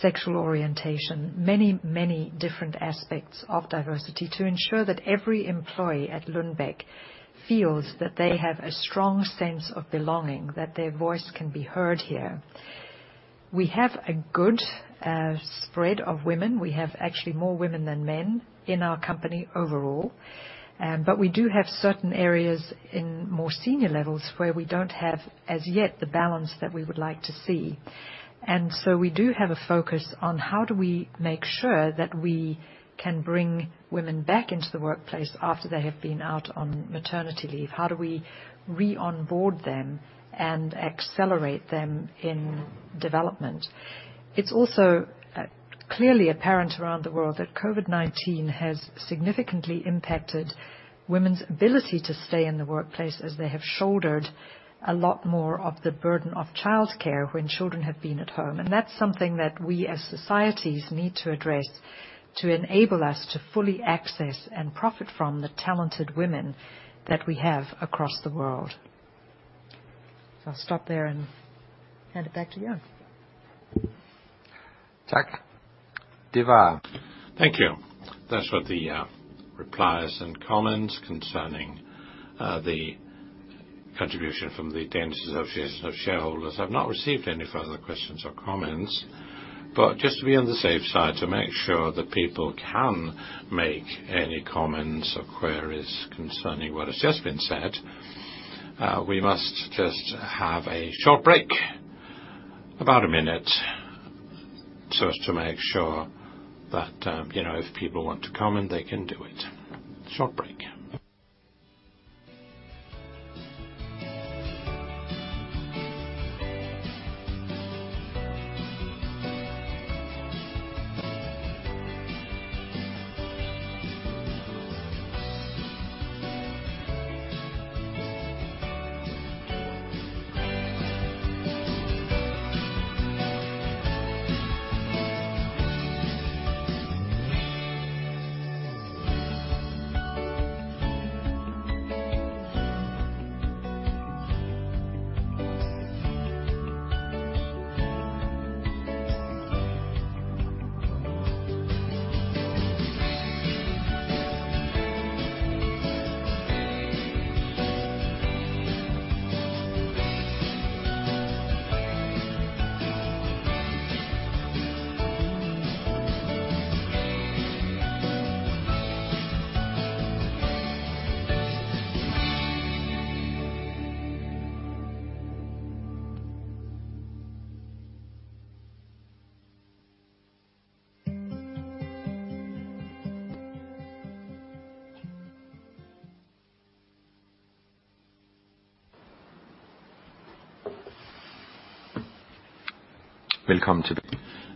sexual orientation, many, many different aspects of diversity to ensure that every employee at Lundbeck feels that they have a strong sense of belonging, that their voice can be heard here. We have a good spread of women. We have actually more women than men in our company overall, but we do have certain areas in more senior levels where we don't have, as yet, the balance that we would like to see. And so we do have a focus on how do we make sure that we can bring women back into the workplace after they have been out on maternity leave? How do we re-onboard them and accelerate them in development? It's also clearly apparent around the world that COVID-19 has significantly impacted women's ability to stay in the workplace as they have shouldered a lot more of the burden of childcare when children have been at home. And that's something that we, as societies, need to address to enable us to fully access and profit from the talented women that we have across the world. So I'll stop there and hand it back to you. Tak. Det var. Thank you. Those were the replies and comments concerning the contribution from the Danish Association of Shareholders. I've not received any further questions or comments, but just to be on the safe side, to make sure that people can make any comments or queries concerning what has just been said, we must just have a short break, about a minute, so as to make sure that, you know, if people want to comment, they can do it. Short break. Welcome to the...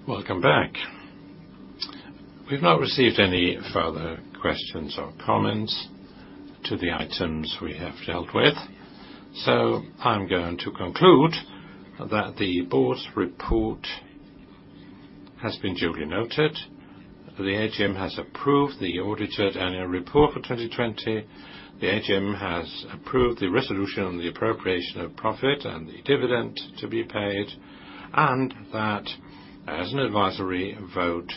Welcome back. We've not received any further questions or comments to the items we have dealt with. So I'm going to conclude that the board's report has been duly noted. The AGM has approved the audited annual report for twenty twenty. The AGM has approved the resolution on the appropriation of profit and the dividend to be paid, and that as an advisory vote,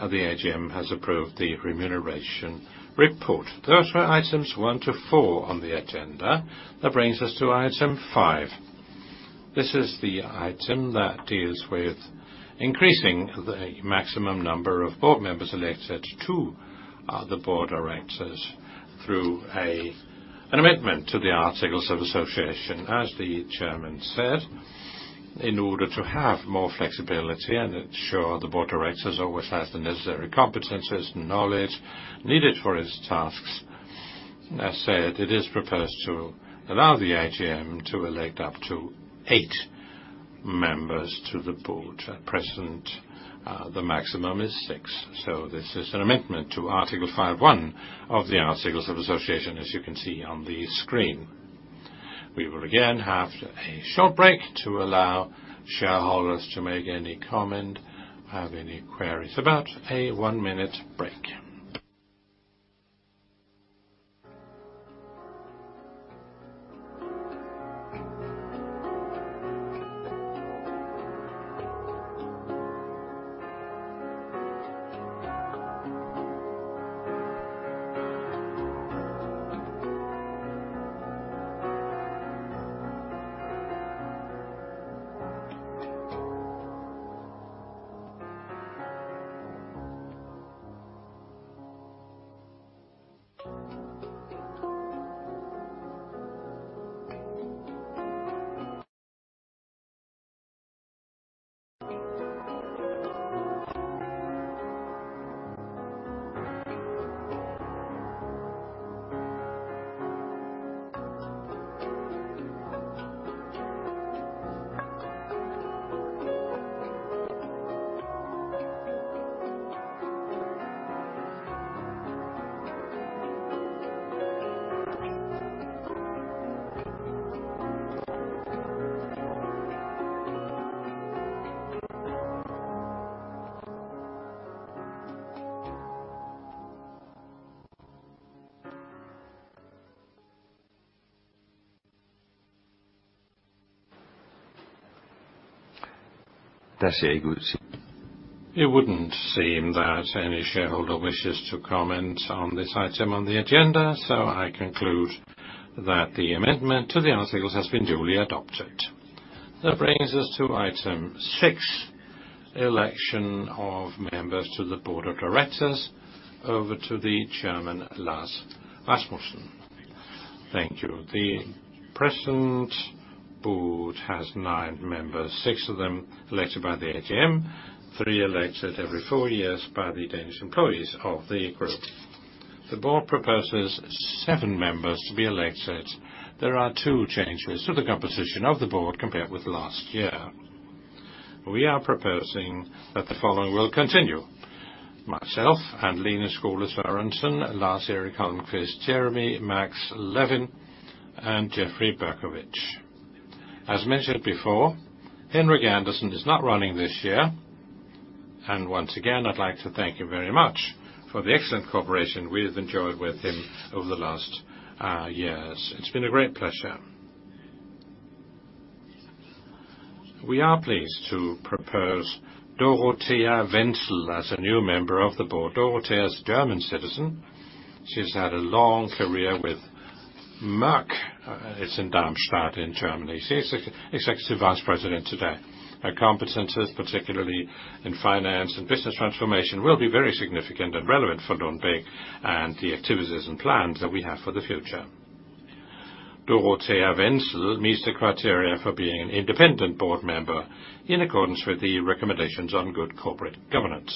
the AGM has approved the remuneration report. Those were items one to four on the agenda. That brings us to item five. This is the item that deals with increasing the maximum number of board members elected to the board of directors through an amendment to the articles of association. As the chairman said, in order to have more flexibility and ensure the board of directors always has the necessary competencies and knowledge needed for its tasks. As said, it is proposed to allow the AGM to elect up to eight members to the board. At present, the maximum is six, so this is an amendment to Article five, one of the Articles of Association, as you can see on the screen. We will again have a short break to allow shareholders to make any comment, have any queries, about a one-minute break. That's a good sign. It wouldn't seem that any shareholder wishes to comment on this item on the agenda, so I conclude that the amendment to the articles has been duly adopted. That brings us to item six, election of members to the board of directors. Over to the chairman, Lars Rasmussen. Thank you. The present board has nine members, six of them elected by the AGM, three elected every four years by the Danish employees of the group. The board proposes seven members to be elected. There are two changes to the composition of the board compared with last year. We are proposing that the following will continue: myself, and Lene Skole Sørensen, Lars Erik Holmquist, Jeremy Max Levin, and Jeffrey Berkowitz. As mentioned before, Henrik Andersen is not running this year, and once again, I'd like to thank him very much for the excellent cooperation we have enjoyed with him over the last years. It's been a great pleasure. We are pleased to propose Dorothea Wenzel as a new member of the board. Dorothea is a German citizen. She's had a long career with Merck. It's in Darmstadt, in Germany. She's ex-executive vice president today. Her competencies, particularly in finance and business transformation, will be very significant and relevant for Lundbeck and the activities and plans that we have for the future. Dorothea Wenzel meets the criteria for being an independent board member in accordance with the recommendations on good corporate governance.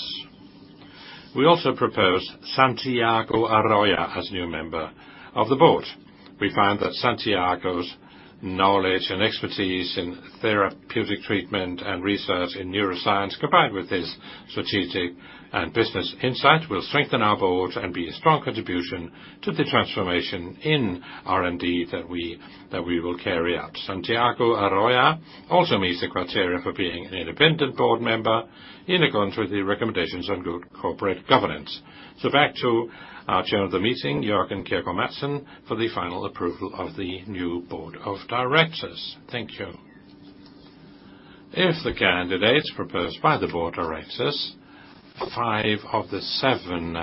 We also propose Santiago Arroyo as a new member of the board. We find that Santiago's knowledge and expertise in therapeutic treatment and research in neuroscience, combined with his strategic and business insight, will strengthen our board and be a strong contribution to the transformation in R&D that we will carry out. Santiago Arroyo also meets the criteria for being an independent board member in accordance with the recommendations on good corporate governance. So back to our chair of the meeting, Jørgen Kjergaard Madsen, for the final approval of the new board of directors. Thank you. If the candidates proposed by the board of directors, five of the seven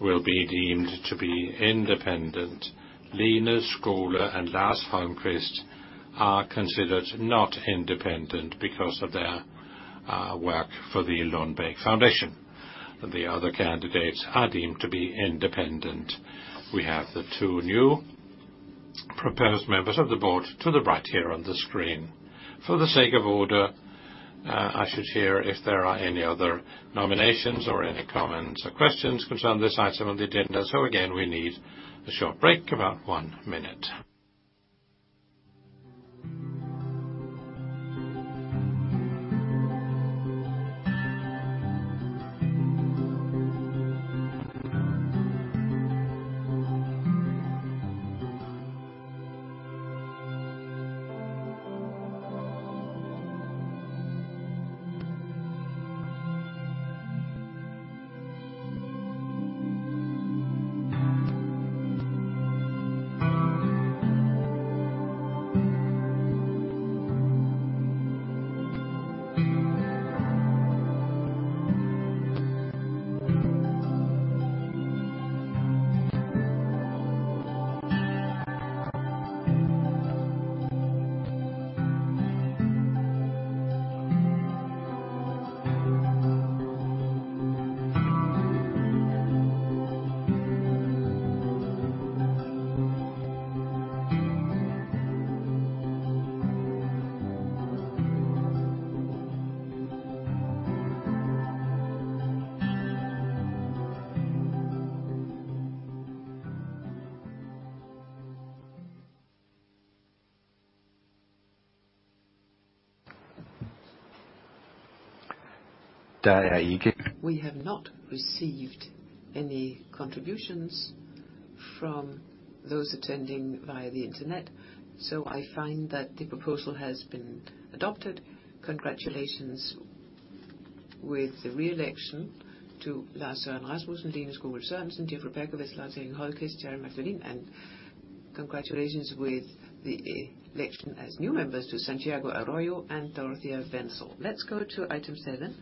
will be deemed to be independent. Lene Skole and Lars Holmquist are considered not independent because of their work for the Lundbeck Foundation. The other candidates are deemed to be independent. We have the two new proposed members of the board to the right here on the screen. For the sake of order, I should hear if there are any other nominations or any comments or questions concerning this item on the agenda. So again, we need a short break, about one minute. We have not received any contributions from those attending via the Internet, so I find that the proposal has been adopted. Congratulations with the re-election to Lars Søren Rasmussen, Lene Skole Sørensen, Jeffrey Berkowitz, Lars Erik Holmquist, Jeremy Levin, and congratulations with the election as new members to Santiago Arroyo and Dorothea Wenzel. Let's go to item seven,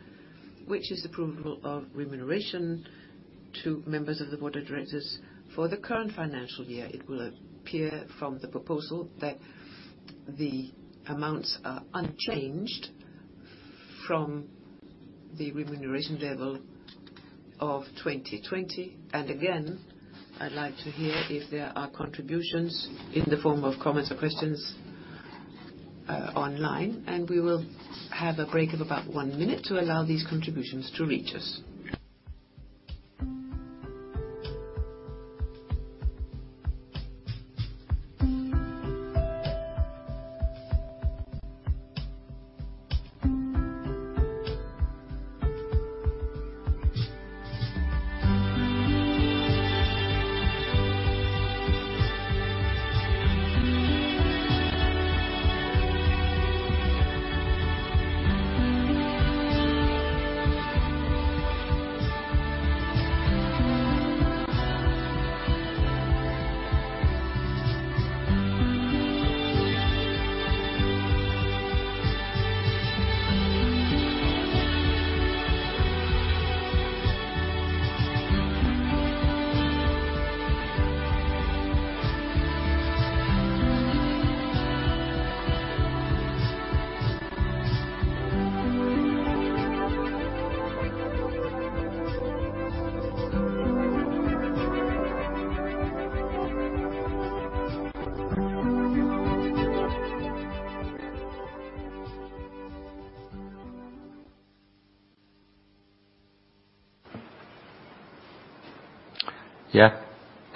which is approval of remuneration to members of the board of directors for the current financial year. It will appear from the proposal that the amounts are unchanged from the remuneration level of 2020. And again, I'd like to hear if there are contributions in the form of comments or questions online, and we will have a break of about one minute to allow these contributions to reach us.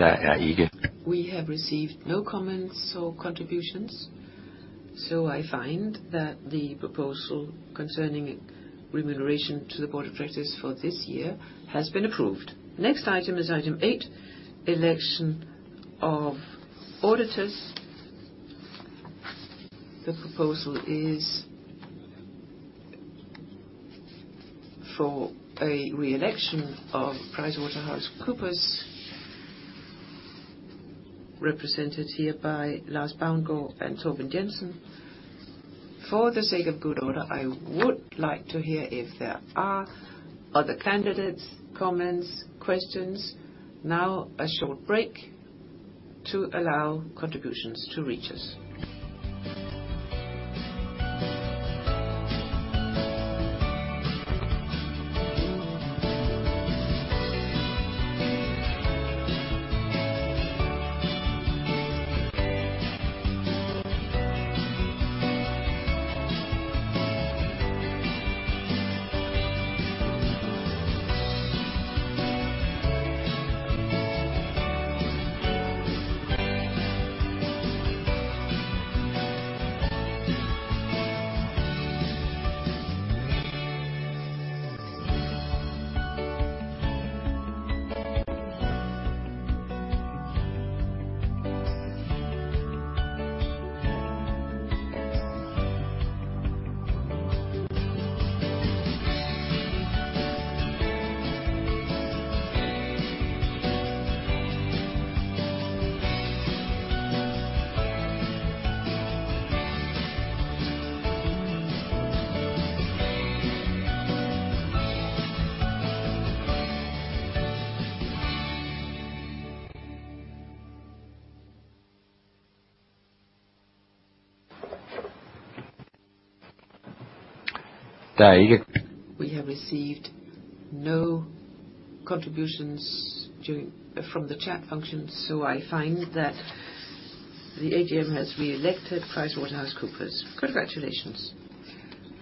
Yeah, that, Ege. We have received no comments or contributions, so I find that the proposal concerning remuneration to the board of directors for this year has been approved. Next item is item eight, election of auditors. The proposal is for a re-election of PricewaterhouseCoopers, represented here by Lars Baungård and Torben Jensen. For the sake of good order, I would like to hear if there are other candidates, comments, questions. Now, a short break to allow contributions to reach us. We have received no contributions during, from the chat function, so I find that the AGM has re-elected PricewaterhouseCoopers. Congratulations.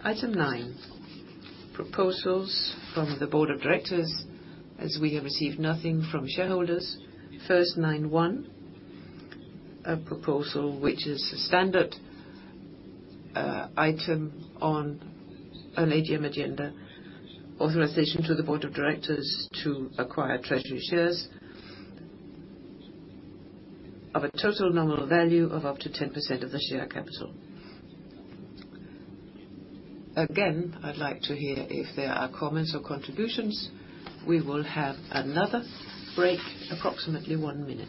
Item nine, proposals from the board of directors, as we have received nothing from shareholders. First, nine one, a proposal which is a standard item on an AGM agenda. Authorization to the board of directors to acquire treasury shares of a total nominal value of up to 10% of the share capital. Again, I'd like to hear if there are comments or contributions. We will have another break, approximately one minute.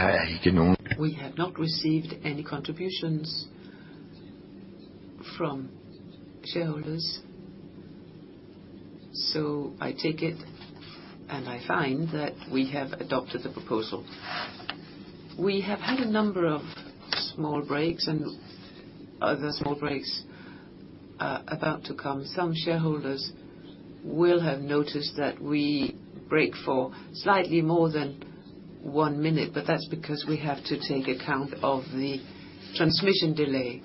There are none. We have not received any contributions from shareholders, so I take it, and I find that we have adopted the proposal. We have had a number of small breaks, and other small breaks are about to come. Some shareholders will have noticed that we break for slightly more than one minute, but that's because we have to take account of the transmission delay,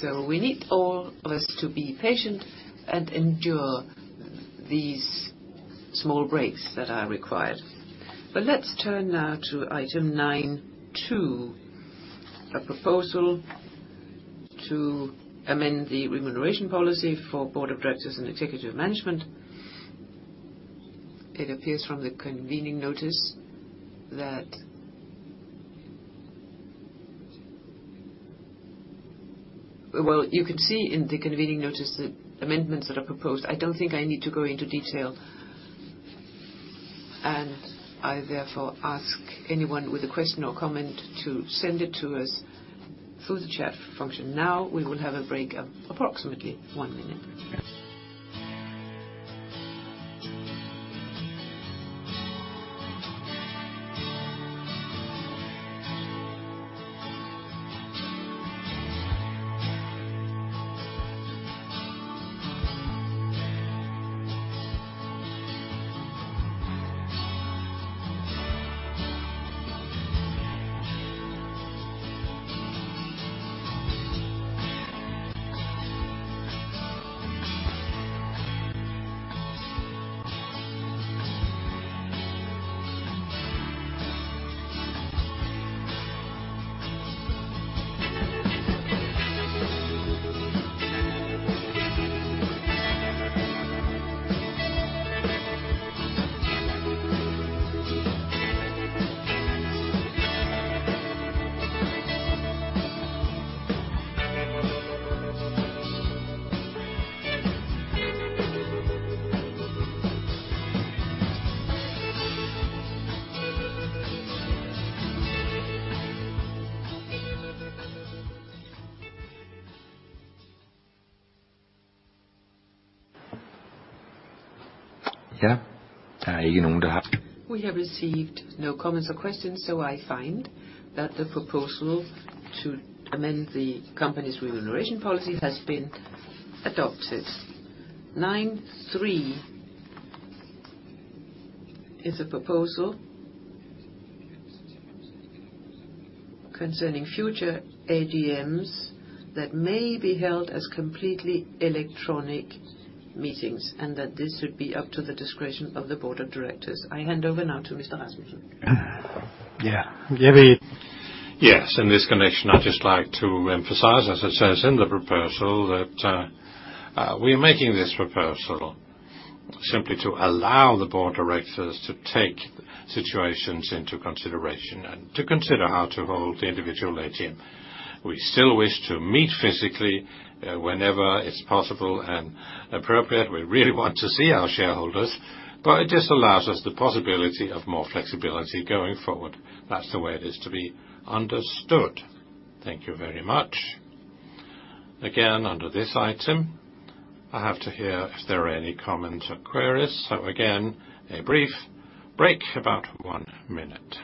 so we need all of us to be patient and endure these small breaks that are required, but let's turn now to item nine two, a proposal to amend the remuneration policy for board of directors and executive management. It appears from the convening notice that.... Well, you can see in the convening notice the amendments that are proposed. I don't think I need to go into detail, and I therefore ask anyone with a question or comment to send it to us through the chat function. Now, we will have a break of approximately one minute. We have received no comments or questions, so I find that the proposal to amend the company's remuneration policy has been adopted. Nine three is a proposal concerning future AGMs that may be held as completely electronic meetings, and that this would be up to the discretion of the board of directors. I hand over now to Mr. Rasmussen. Yeah. Yes, in this connection, I'd just like to emphasize, as it says in the proposal, that we are making this proposal simply to allow the board of directors to take situations into consideration and to consider how to hold the individual AGM. We still wish to meet physically, whenever it's possible and appropriate. We really want to see our shareholders, but it just allows us the possibility of more flexibility going forward. That's the way it is to be understood. Thank you very much. Again, under this item, I have to hear if there are any comments or queries. So again, a brief break, about one minute.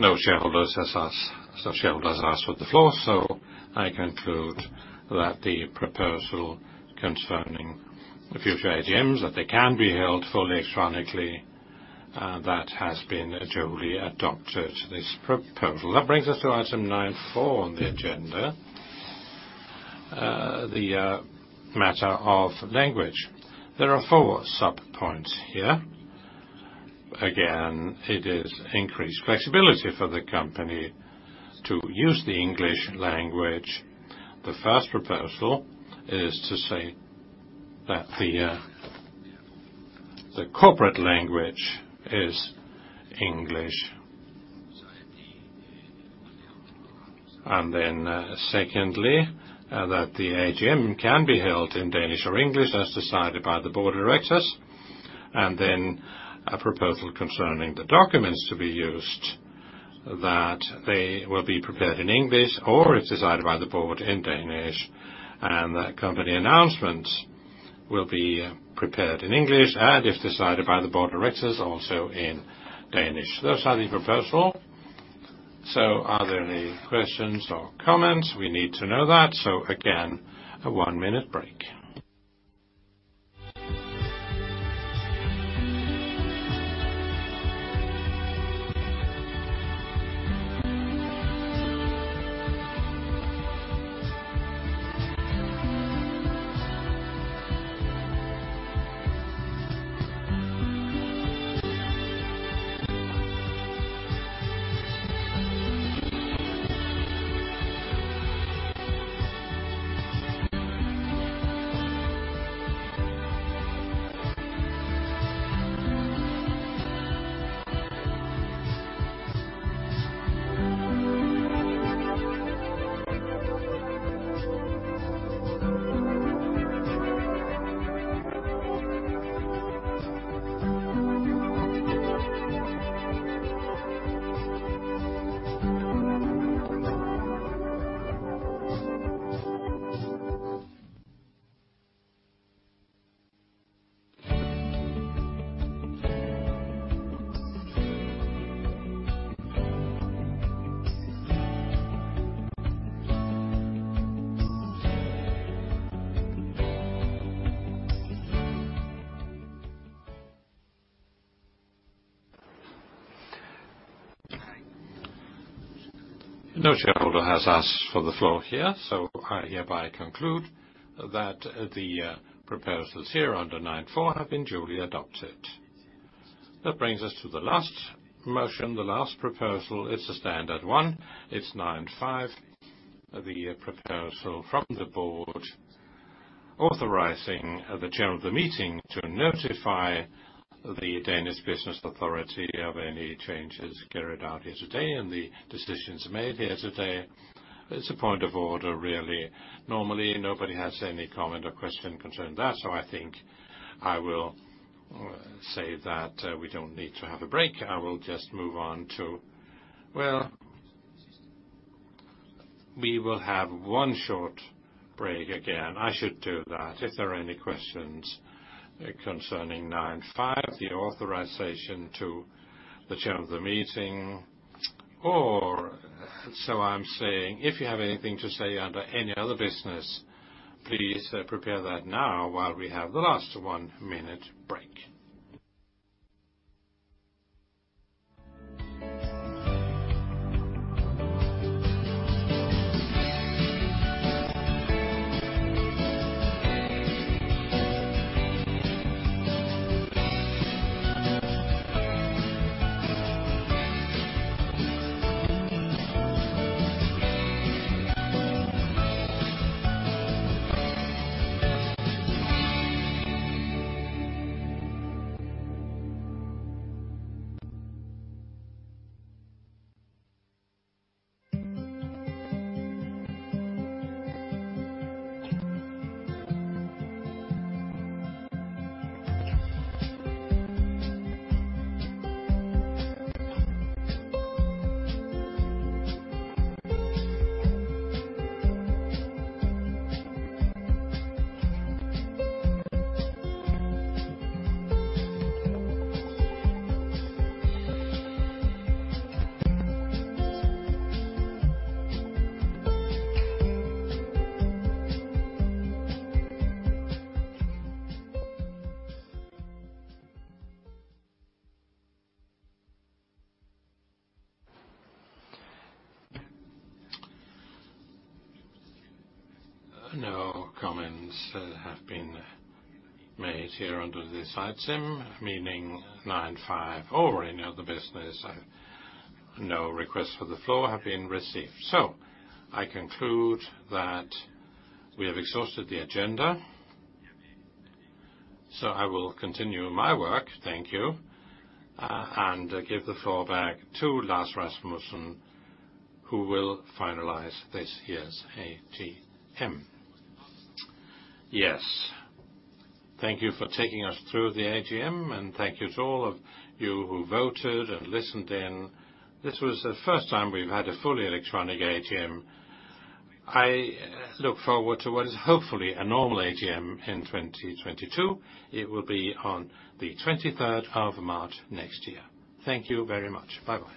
So shareholders asked for the floor, so I conclude that the proposal concerning the future AGMs, that they can be held fully electronically, that has been duly adopted, this proposal. That brings us to item nine, four on the agenda, the matter of language. There are four sub points here. Again, it is increased flexibility for the company to use the English language. The first proposal is to say that the corporate language is English. And then, secondly, that the AGM can be held in Danish or English, as decided by the board of directors, and then a proposal concerning the documents to be used, that they will be prepared in English, or if decided by the board, in Danish, and that company announcements will be prepared in English, and if decided by the board of directors, also in Danish. Those are the proposal. So are there any questions or comments? We need to know that. So again, a one-minute break. ... No shareholder has asked for the floor here, so I hereby conclude that the proposals here under nine four have been duly adopted. That brings us to the last motion, the last proposal. It's a standard one. It's nine five, the proposal from the board authorizing the chair of the meeting to notify the Danish Business Authority of any changes carried out here today and the decisions made here today. It's a point of order, really. Normally, nobody has any comment or question concerning that, so I think I will say that we don't need to have a break. I will just move on to... well, we will have one short break again. I should do that. If there are any questions concerning nine five, the authorization to the chair of the meeting, or so I'm saying, if you have anything to say under any other business, please prepare that now while we have the last one-minute break. No comments have been made here under this item, meaning nine five, or any other business. No requests for the floor have been received, so I conclude that we have exhausted the agenda, so I will continue my work, thank you, and give the floor back to Lars Rasmussen, who will finalize this year's AGM. Yes. Thank you for taking us through the AGM, and thank you to all of you who voted and listened in. This was the first time we've had a fully electronic AGM. I look forward to what is hopefully a normal AGM in twenty twenty-two. It will be on the twenty-third of March next year. Thank you very much. Bye-bye.